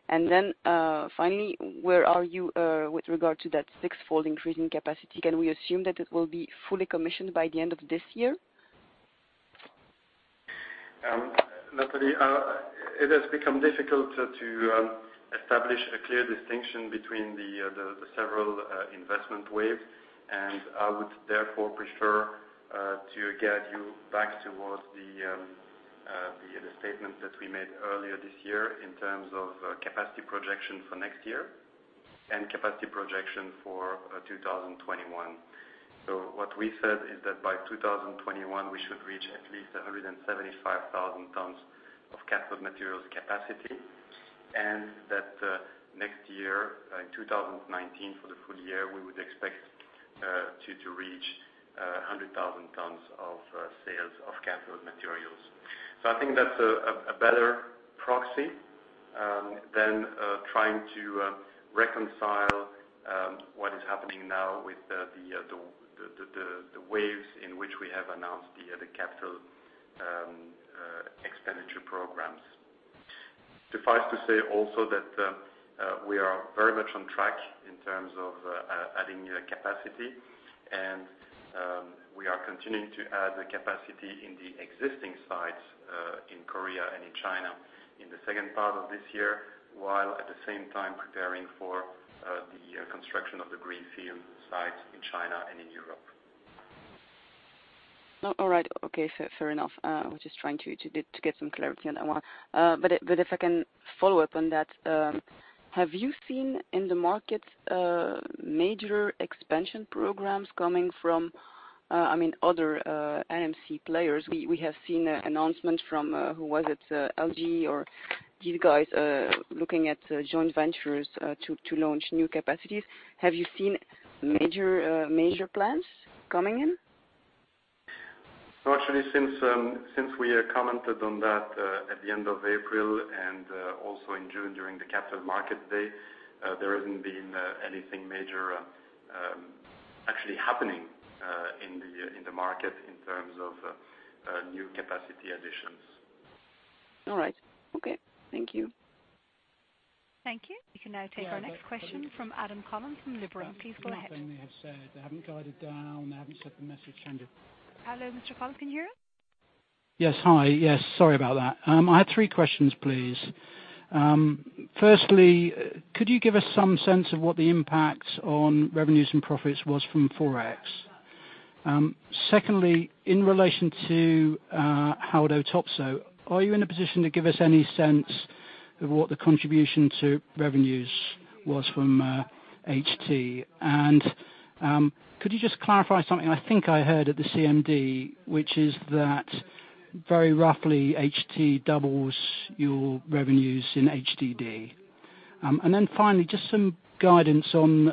[SPEAKER 10] Finally, where are you, with regard to that six-fold increase in capacity? Can we assume that it will be fully commissioned by the end of this year?
[SPEAKER 2] Nathalie, it has become difficult to establish a clear distinction between the several investment waves. I would therefore prefer to guide you back towards the statement that we made earlier this year in terms of capacity projection for next year and capacity projection for 2021. What we said is that by 2021, we should reach at least 175,000 tons of cathode materials capacity. That next year, in 2019, for the full year, we would expect to reach 100,000 tons of sales of cathode materials. I think that's a better proxy than trying to reconcile what is happening now with the waves in which we have announced the capital expenditure programs. Suffice to say also that we are very much on track in terms of adding new capacity. We are continuing to add the capacity in the existing sites in Korea and in China in the second part of this year, while at the same time preparing for the construction of the greenfield sites in China and in Europe.
[SPEAKER 10] All right. Okay. Fair enough. I was just trying to get some clarity on that one. If I can follow up on that, have you seen in the market major expansion programs coming from other NMC players? We have seen announcement from, who was it, LG or these guys, looking at joint ventures to launch new capacities. Have you seen major plans coming in?
[SPEAKER 2] Actually, since we commented on that at the end of April and also in June during the Capital Markets Day, there hasn't been anything major actually happening in the market in terms of new capacity additions.
[SPEAKER 10] All right. Okay. Thank you.
[SPEAKER 1] Thank you. We can now take our next question from Adam Collins from Liberum. Please go ahead.
[SPEAKER 11] They have said they haven't guided down, they haven't said the message changed it.
[SPEAKER 1] Hello, Mr. Collins. Can you hear us?
[SPEAKER 11] Yes. Hi. Yes, sorry about that. I had three questions, please. Firstly, could you give us some sense of what the impact on revenues and profits was from Forex? Secondly, in relation to Haldor Topsoe, are you in a position to give us any sense of what the contribution to revenues was from HT? Could you just clarify something I think I heard at the CMD, which is that very roughly HT doubles your revenues in HDD. Finally, just some guidance on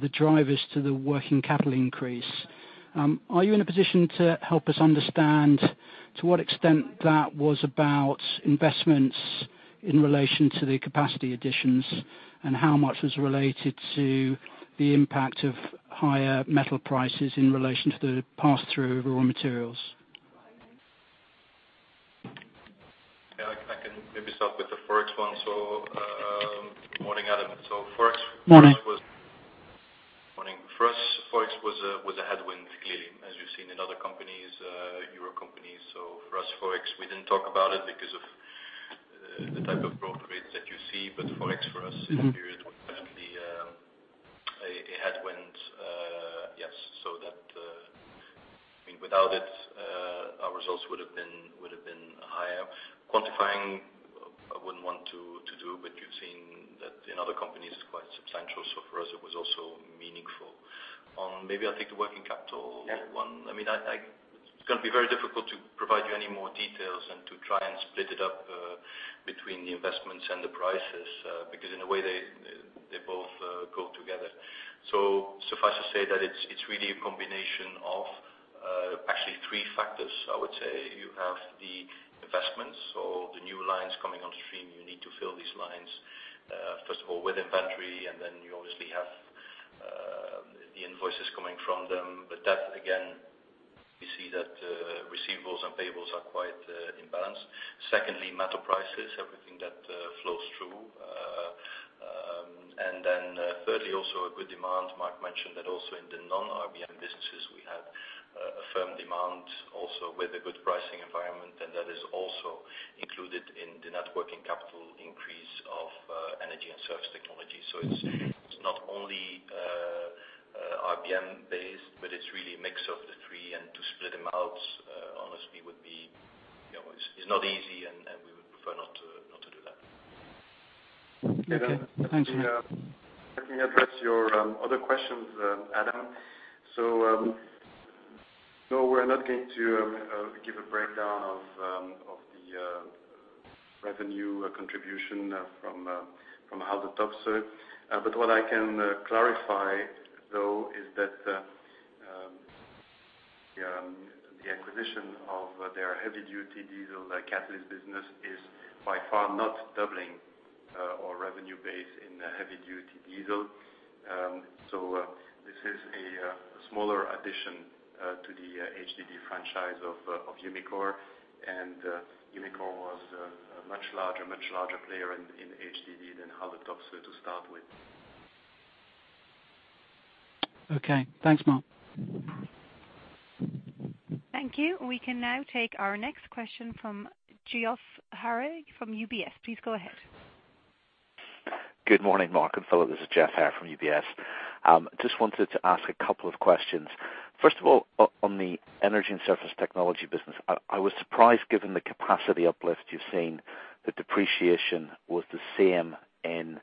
[SPEAKER 11] the drivers to the working capital increase. Are you in a position to help us understand to what extent that was about investments in relation to the capacity additions and how much was related to the impact of higher metal prices in relation to the pass-through raw materials?
[SPEAKER 2] Yeah, I can maybe start with the Forex one. Good morning, Adam.
[SPEAKER 11] Morning.
[SPEAKER 3] Morning. For us, Forex was a headwind, clearly, as you've seen in other companies, Euro companies. For us, Forex, we didn't talk about it because of the type of growth rates that you see, but Forex for us in the period was definitely a headwind. Yes. Without it, our results would have been higher. Quantifying, I wouldn't want to do, but you've seen that in other companies, it's quite substantial. For us, it was also meaningful. On maybe, I think the working capital one. It's going to be very difficult to provide you any more details and to try and split it up between the investments and the prices, because in a way they both go together. Suffice to say that it's really a combination of actually three factors, I would say. You have the investments or the new lines coming on stream.
[SPEAKER 2] You need to fill these lines, first of all, with inventory, and then you obviously have the invoices coming from them. That, again, we see that receivables and payables are quite imbalanced. Secondly, metal prices, everything that flows through. Thirdly, also a good demand. Marc mentioned that also in the non-RBM businesses, we had a firm demand also with a good pricing environment, and that is also included in the net working capital increase of Energy & Surface Technologies. It's not only RBM based, but it's really a mix of the three. To split them out, honestly would be, it's not easy.
[SPEAKER 11] Okay. Thank you.
[SPEAKER 2] Let me address your other questions, Adam. We're not going to give a breakdown of the revenue contribution from Haldor Topsoe. What I can clarify, though, is that the acquisition of their heavy-duty diesel catalyst business is by far not doubling our revenue base in heavy-duty diesel. This is a smaller addition to the HDD franchise of Umicore. Umicore was a much larger player in HDD than Haldor Topsoe to start with.
[SPEAKER 11] Okay. Thanks, Marc.
[SPEAKER 1] Thank you. We can now take our next question from Geoffrey Haire from UBS. Please go ahead.
[SPEAKER 12] Good morning, Marc and Filip. This is Geoffrey Haire from UBS. Just wanted to ask a couple of questions. First of all, on the Energy & Surface Technologies business, I was surprised, given the capacity uplift you've seen, the depreciation was the same in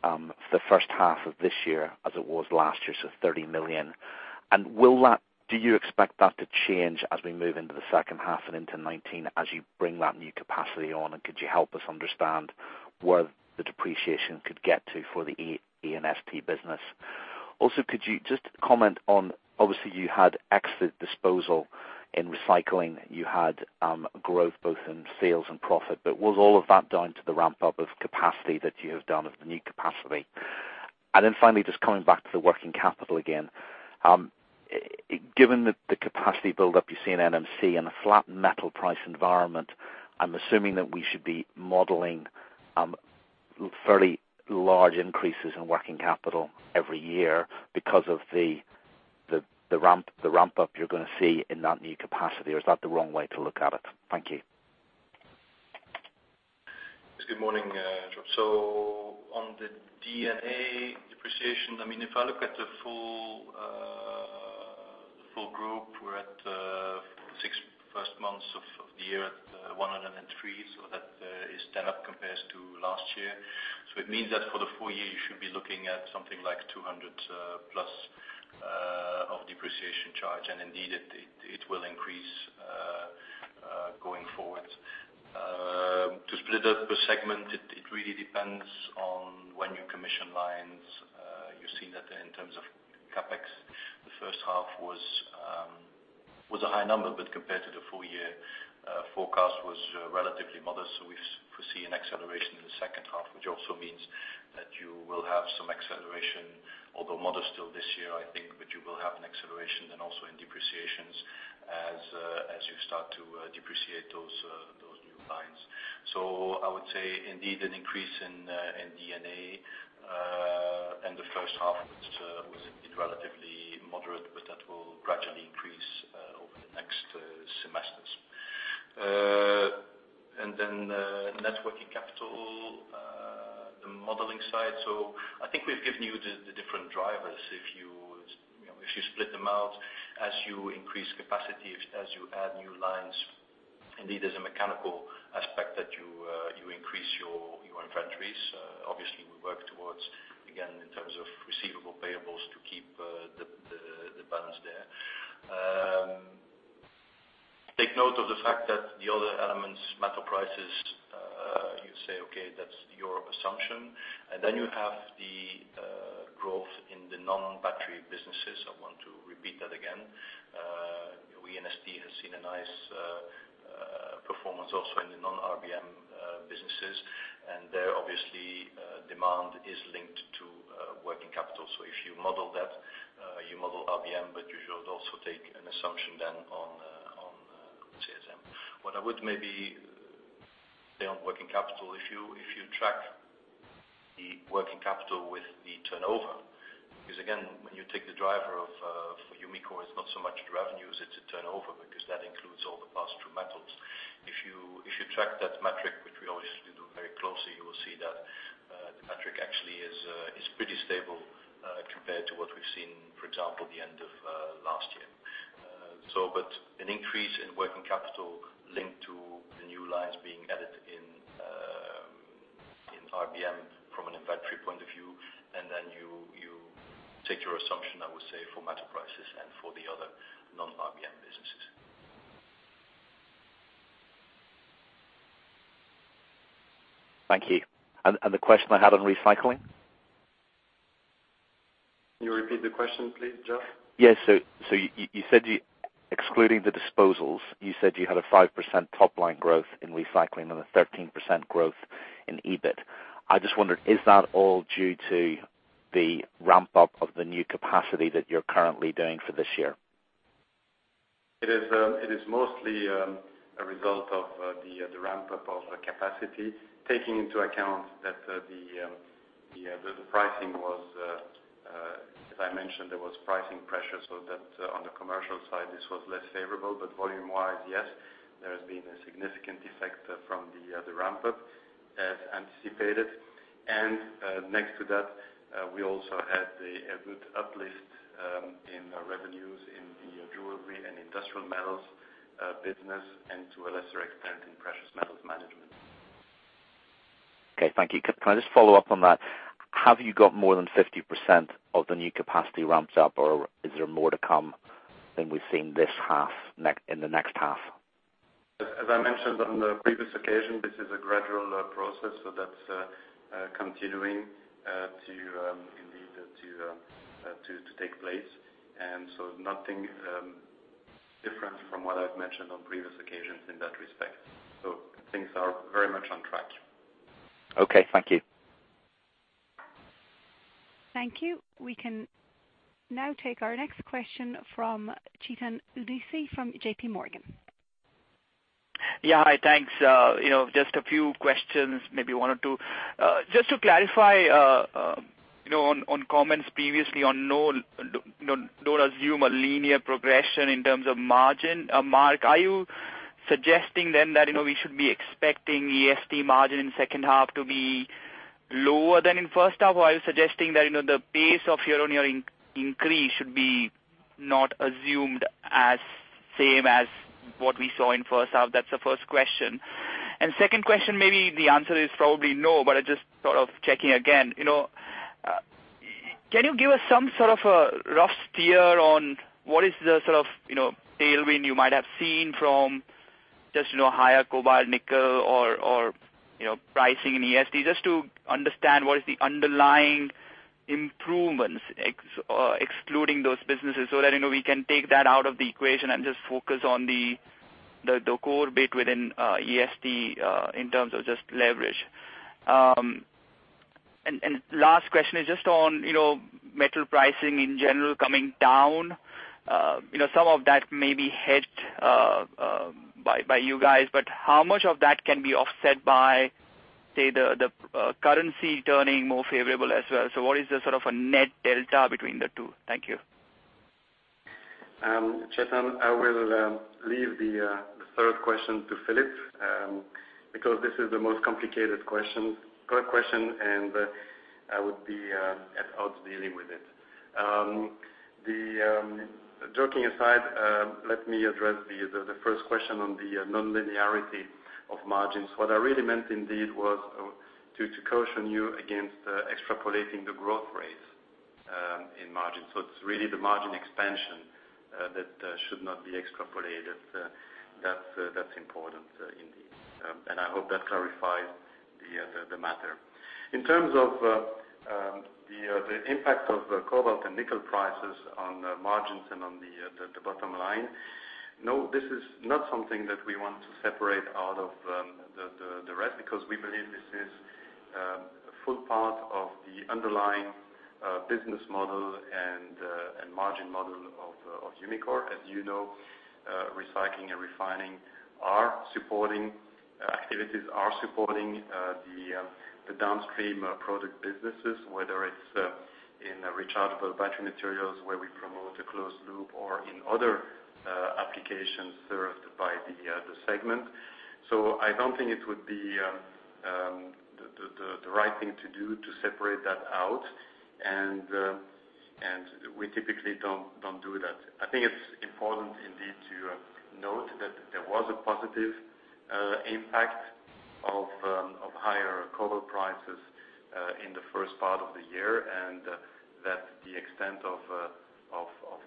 [SPEAKER 12] the first half of this year as it was last year, so 30 million. Do you expect that to change as we move into the second half and into 2019 as you bring that new capacity on? Could you help us understand where the depreciation could get to for the E&ST business? Also, could you just comment on, obviously, you had exit disposal in Recycling. You had growth both in sales and profit, but was all of that down to the ramp-up of capacity that you have done of the new capacity? Finally, just coming back to the working capital again. Given the capacity build-up you see in NMC and a flat metal price environment, I'm assuming that we should be modeling fairly large increases in working capital every year because of the ramp-up you're going to see in that new capacity, or is that the wrong way to look at it? Thank you.
[SPEAKER 3] Good morning, Geoff. On the D&A depreciation, if I look at the full group, we're at six first months of the year at 103. That is stand up compares to last year. It means that for the full year, you should be looking at something like 200 plus of depreciation charge, and indeed, it will increase going forward. To split up per segment, it really depends on when you commission lines. You've seen that in terms of CapEx, the first half was a high number, but compared to the full year forecast was relatively modest. We foresee an acceleration in the second half, which also means that you will have some acceleration, although modest still this year, I think, but you will have an acceleration then also in depreciations as you start to depreciate those new lines. I would say indeed an increase in D&A in the first half, which was indeed relatively moderate, but that will gradually increase over the next semesters. Net working capital, the modeling side. I think we've given you the different drivers. If you split them out, as you increase capacity, as you add new lines, indeed there's a mechanical aspect that you increase your inventories. Obviously, we work towards, again, in terms of receivable payables to keep the balance there. Take note of the fact that the other elements, metal prices, you say, okay, that's your assumption. Then you have the growth in the non-battery businesses. I want to repeat that again. E&ST has seen a nice performance also in the non-RBM businesses, and there, obviously, demand is linked to working capital. If you model that, you model RBM, you should also take an assumption then on CSM. What I would maybe say on working capital, if you track the working capital with the turnover, when you take the driver of Umicore, it's not so much the revenues, it's the turnover, because that includes all the pass-through metals. If you track that metric, which we obviously do very closely, you will see that the metric actually is pretty stable compared to what we've seen, for example, the end of last year. An increase in working capital linked to the new lines being added in RBM from an inventory point of view, you take your assumption, I would say, for metal prices and for the other non-RBM businesses.
[SPEAKER 12] Thank you. The question I had on Recycling?
[SPEAKER 3] Can you repeat the question please, Geoff?
[SPEAKER 12] Yes. You said excluding the disposals, you said you had a 5% top-line growth in Recycling and a 13% growth in EBIT. I just wondered, is that all due to the ramp-up of the new capacity that you're currently doing for this year?
[SPEAKER 3] It is mostly a result of the ramp-up of capacity, taking into account that the pricing was, as I mentioned, there was pricing pressure so that on the commercial side, this was less favorable. Volume wise, yes, there has been a significant effect from the ramp-up as anticipated.
[SPEAKER 2] Next to that, we also had a good uplift in our revenues in the jewelry and industrial metals business, and to a lesser extent, in precious metals management.
[SPEAKER 12] Okay, thank you. Can I just follow up on that? Have you got more than 50% of the new capacity ramped up, or is there more to come than we've seen this half in the next half?
[SPEAKER 2] As I mentioned on the previous occasion, this is a gradual process, so that's continuing indeed to take place. Nothing different from what I've mentioned on previous occasions in that respect. Things are very much on track.
[SPEAKER 12] Okay. Thank you.
[SPEAKER 1] Thank you. We can now take our next question from Chetan Udeshi from J.P. Morgan.
[SPEAKER 13] Hi. Thanks. Just a few questions, maybe one or two. Just to clarify on comments previously on don't assume a linear progression in terms of margin. Marc, are you suggesting that we should be expecting E&ST margin in second half to be lower than in first half? Or are you suggesting that the pace of your increase should be not assumed as same as what we saw in first half? That's the first question. Second question, maybe the answer is probably no, but I just sort of checking again. Can you give us some sort of a rough steer on what is the sort of tailwind you might have seen from just higher cobalt, nickel, or pricing in E&ST, just to understand what is the underlying improvements, excluding those businesses, so that we can take that out of the equation and just focus on the core bit within E&ST, in terms of just leverage. Last question is just on metal pricing in general coming down. Some of that may be hedged by you guys, but how much of that can be offset by, say, the currency turning more favorable as well? What is the sort of a net delta between the two? Thank you.
[SPEAKER 2] Chetan, I will leave the third question to Filip, because this is the most complicated question, and I would be at odds dealing with it. Joking aside, let me address the first question on the nonlinearity of margins. What I really meant indeed, was to caution you against extrapolating the growth rates in margin. It's really the margin expansion that should not be extrapolated. That's important indeed. I hope that clarifies the matter. In terms of the impact of the cobalt and nickel prices on the margins and on the bottom line, no, this is not something that we want to separate out of the rest, because we believe this is a full part of the underlying business model and margin model of Umicore. As you know, Recycling and refining activities are supporting the downstream product businesses, whether it's in rechargeable battery materials, where we promote a closed loop, or in other applications served by the segment. I don't think it would be the right thing to do to separate that out, and we typically don't do that. I think it's important indeed to note that there was a positive impact of higher cobalt prices in the first part of the year, and that the extent of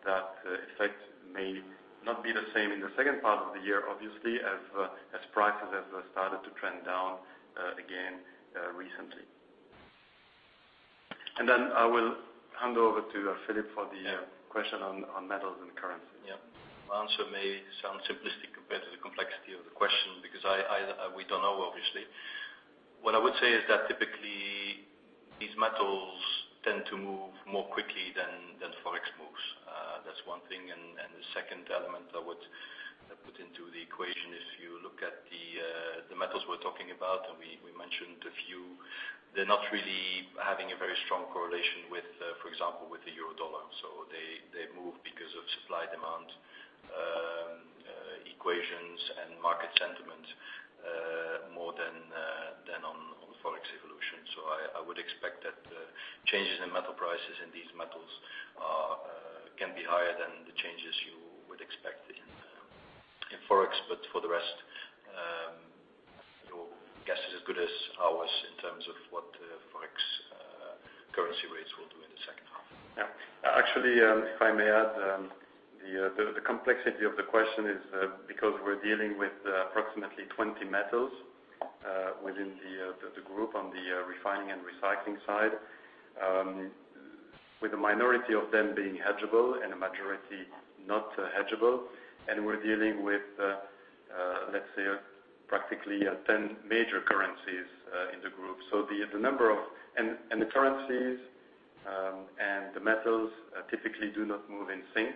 [SPEAKER 2] that effect may not be the same in the second part of the year, obviously, as prices have started to trend down again recently. Then I will hand over to Filip for the question on metals and currency.
[SPEAKER 3] Yeah. My answer may sound simplistic compared to the complexity of the question, because we don't know, obviously. What I would say is that typically, these metals tend to move more quickly than Forex moves. That's one thing, and the second element I would put into the equation, if you look at the metals we're talking about, and we mentioned a few, they're not really having a very strong correlation, for example, with the euro dollar. They move because of supply-demand equations and market sentiment, more than on Forex evolution. I would expect that changes in metal prices in these metals can be higher than the changes you would expect in Forex. For the rest, your guess is as good as ours in terms of what Forex currency rates will do in the second half.
[SPEAKER 2] Yeah. Actually, if I may add, the complexity of the question is because we're dealing with approximately 20 metals within the group on the refining and Recycling side, with a minority of them being hedgeable and a majority not hedgeable. We're dealing with, let's say, practically 10 major currencies in the group. The currencies and the metals typically do not move in sync.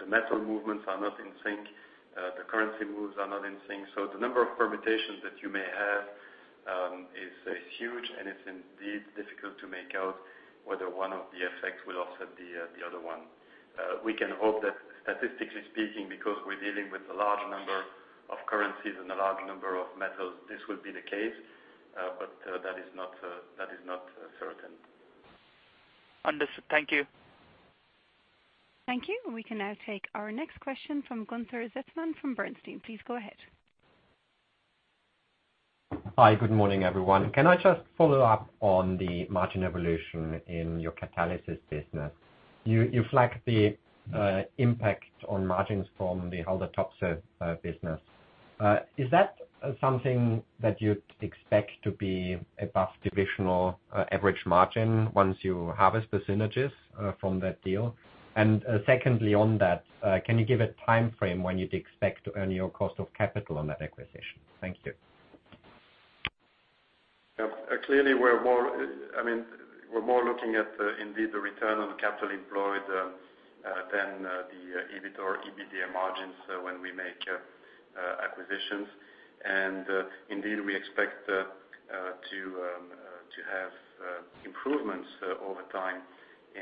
[SPEAKER 2] The metal movements are not in sync. The currency moves are not in sync. The number of permutations that you may have is huge. It's indeed difficult to make out whether one of the effects will offset the other one. We can hope that statistically speaking, because we're dealing with a large number of currencies and a large number of metals, this will be the case, but that is not certain.
[SPEAKER 13] Understood. Thank you.
[SPEAKER 1] Thank you. We can now take our next question from Gunther Zechmann from Bernstein. Please go ahead.
[SPEAKER 14] Hi. Good morning, everyone. Can I just follow up on the margin evolution in your Catalysis business? You flagged the impact on margins from the Haldor Topsoe business. Is that something that you'd expect to be above divisional average margin once you harvest the synergies from that deal? Secondly, on that, can you give a timeframe when you'd expect to earn your cost of capital on that acquisition? Thank you.
[SPEAKER 2] Yeah. Clearly, we're more looking at indeed the return on capital employed, than the EBIT or EBITDA margins when we make acquisitions. Indeed, we expect to have improvements over time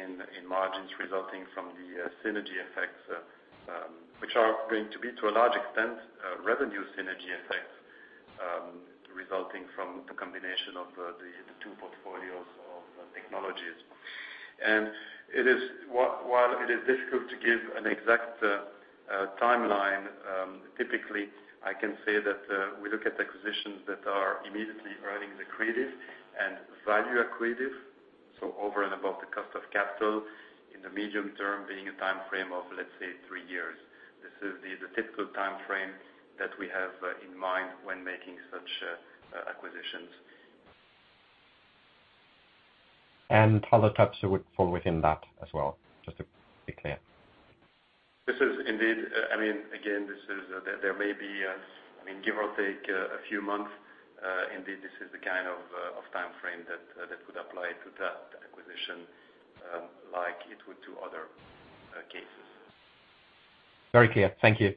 [SPEAKER 2] in margins resulting from the synergy effects, which are going to be, to a large extent, revenue synergy effects resulting from the combination of the two portfolios of technologies. While it is difficult to give an exact timeline, typically, I can say that we look at acquisitions that are immediately earning accretive and value accretive, so over and above the cost of capital in the medium term, being a timeframe of, let's say, three years. This is the typical timeframe that we have in mind when making such acquisitions.
[SPEAKER 14] Haldor Topsoe would fall within that as well, just to be clear.
[SPEAKER 2] This is indeed. Again, there may be, give or take a few months. Indeed, this is the kind of timeframe that could apply to that acquisition, like it would to other cases.
[SPEAKER 14] Very clear. Thank you.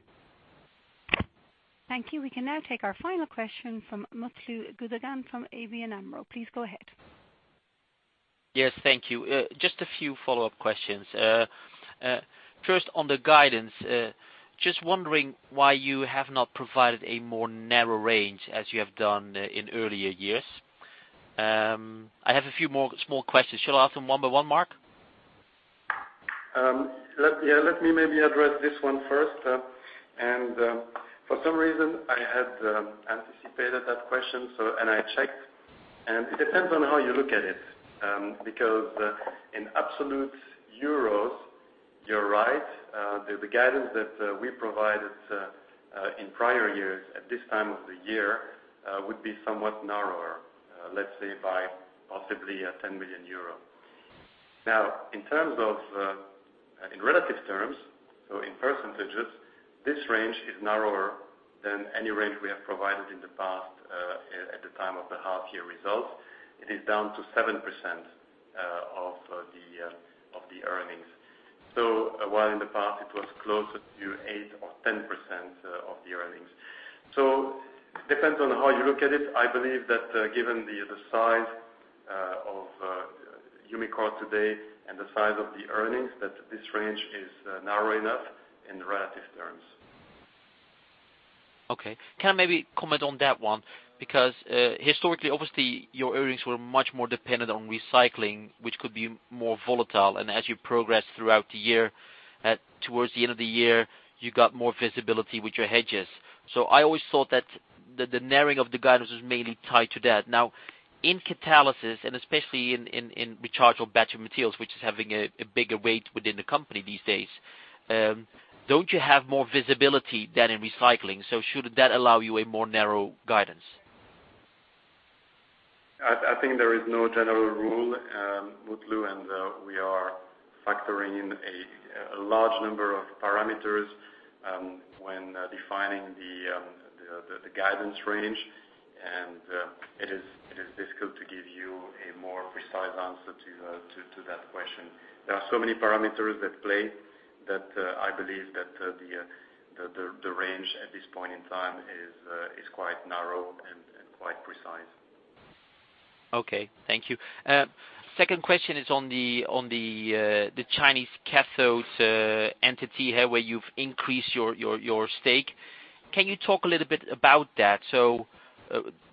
[SPEAKER 1] Thank you. We can now take our final question from Mutlu Gundogan from ABN AMRO. Please go ahead.
[SPEAKER 7] Yes. Thank you. Just a few follow-up questions. First on the guidance, just wondering why you have not provided a more narrow range as you have done in earlier years. I have a few more small questions. Shall I ask them one by one, Marc?
[SPEAKER 2] Let me maybe address this one first. For some reason, I had anticipated that question, and I checked. It depends on how you look at it. In absolute euros, you're right. The guidance that we provided in prior years at this time of the year, would be somewhat narrower, let's say by possibly 10 million euros. Now, in relative terms, so in %, this range is narrower than any range we have provided in the past, at the time of the half year results. It is down to 7% of the earnings. While in the past it was closer to 8 or 10% of the earnings. Depends on how you look at it. I believe that given the size of Umicore today and the size of the earnings, that this range is narrow enough in relative terms.
[SPEAKER 7] Okay. Can I maybe comment on that one? Historically, obviously, your earnings were much more dependent on Recycling, which could be more volatile. As you progress throughout the year, towards the end of the year, you got more visibility with your hedges. I always thought that the narrowing of the guidance was mainly tied to that. Now in Catalysis, and especially in rechargeable battery materials, which is having a bigger weight within the company these days, don't you have more visibility than in Recycling? Shouldn't that allow you a more narrow guidance?
[SPEAKER 2] I think there is no general rule, Mutlu, we are factoring in a large number of parameters, when defining the guidance range. It is difficult to give you a more precise answer to that question. There are so many parameters at play that I believe that the range at this point in time is quite narrow and quite precise.
[SPEAKER 7] Okay. Thank you. Second question is on the Chinese cathode entity here, where you've increased your stake. Can you talk a little bit about that?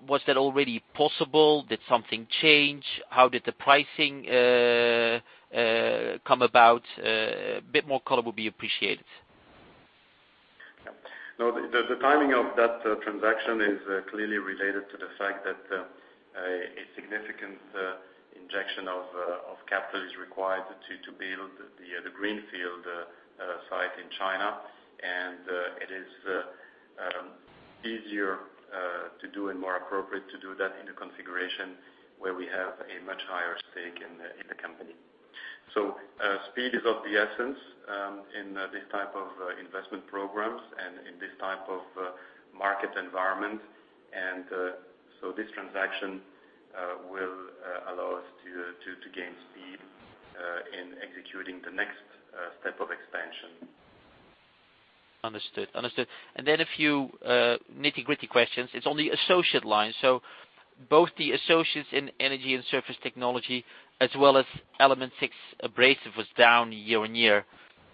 [SPEAKER 7] Was that already possible? Did something change? How did the pricing come about? A bit more color would be appreciated.
[SPEAKER 2] No. The timing of that transaction is clearly related to the fact that a significant injection of capital is required to build the greenfield site in China. It is easier to do and more appropriate to do that in a configuration where we have a much higher stake in the company. Speed is of the essence in this type of investment programs and in this type of market environment. This transaction will allow us to gain speed in executing the next
[SPEAKER 7] Understood. A few nitty-gritty questions. It's on the associate line. Both the associates in Energy & Surface Technologies, as well as Element Six Abrasives was down year-over-year.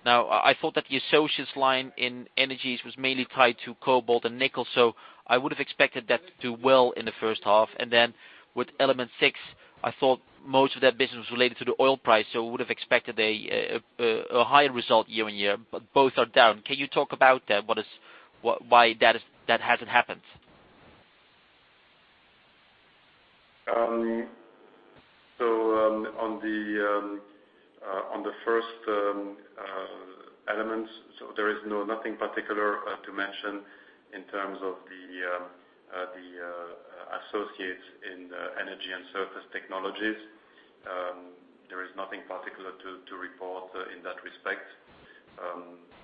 [SPEAKER 7] I thought that the associates line in energies was mainly tied to cobalt and nickel, so I would have expected that to do well in the first half. With Element Six, I thought most of that business was related to the oil price, so I would have expected a higher result year-over-year, but both are down. Can you talk about that? Why that hasn't happened?
[SPEAKER 2] On the first elements, there is nothing particular to mention in terms of the associates in Energy & Surface Technologies. There is nothing particular to report in that respect.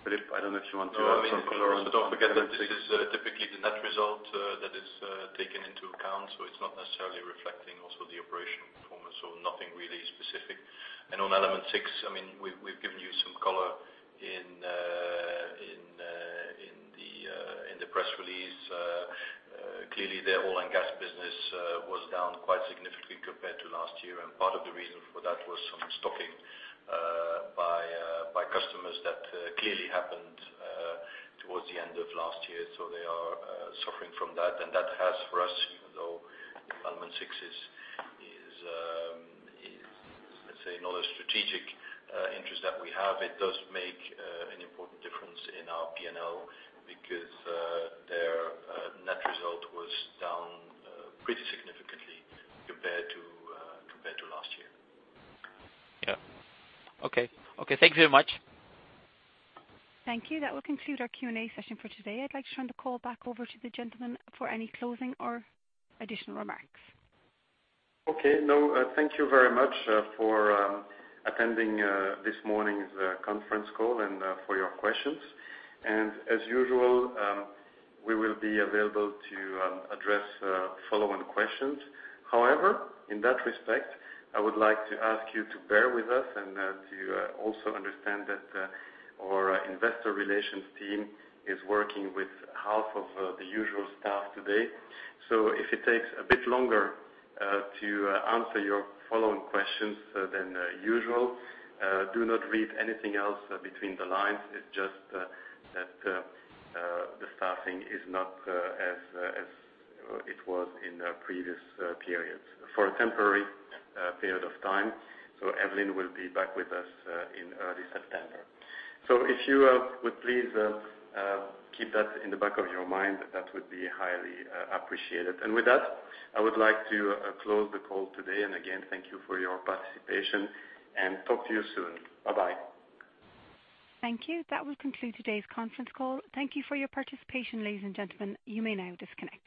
[SPEAKER 2] Filip, I don't know if you want to add some color around Element Six.
[SPEAKER 3] Don't forget that this is typically the net result that is taken into account. It's not necessarily reflecting also the operational performance, nothing really specific. On Element Six, we've given you some color in the press release. Clearly, their oil and gas business was down quite significantly compared to last year, and part of the reason for that was some stocking by customers that clearly happened towards the end of last year. They are suffering from that. That has for us, even though Element Six is, let's say, not a strategic interest that we have, it does make an important difference in our P&L because their net result was down pretty significantly compared to last year.
[SPEAKER 7] Yeah. Okay. Thank you very much.
[SPEAKER 1] Thank you. That will conclude our Q&A session for today. I'd like to turn the call back over to the gentleman for any closing or additional remarks.
[SPEAKER 2] Okay. No, thank you very much for attending this morning's conference call and for your questions. As usual, we will be available to address follow-on questions. However, in that respect, I would like to ask you to bear with us and to also understand that our investor relations team is working with half of the usual staff today. If it takes a bit longer to answer your follow-on questions than usual, do not read anything else between the lines. It's just that the staffing is not as it was in previous periods for a temporary period of time. Evelyn will be back with us in early September. If you would please keep that in the back of your mind, that would be highly appreciated. With that, I would like to close the call today. Again, thank you for your participation and talk to you soon. Bye-bye.
[SPEAKER 1] Thank you. That will conclude today's conference call. Thank you for your participation, ladies and gentlemen. You may now disconnect.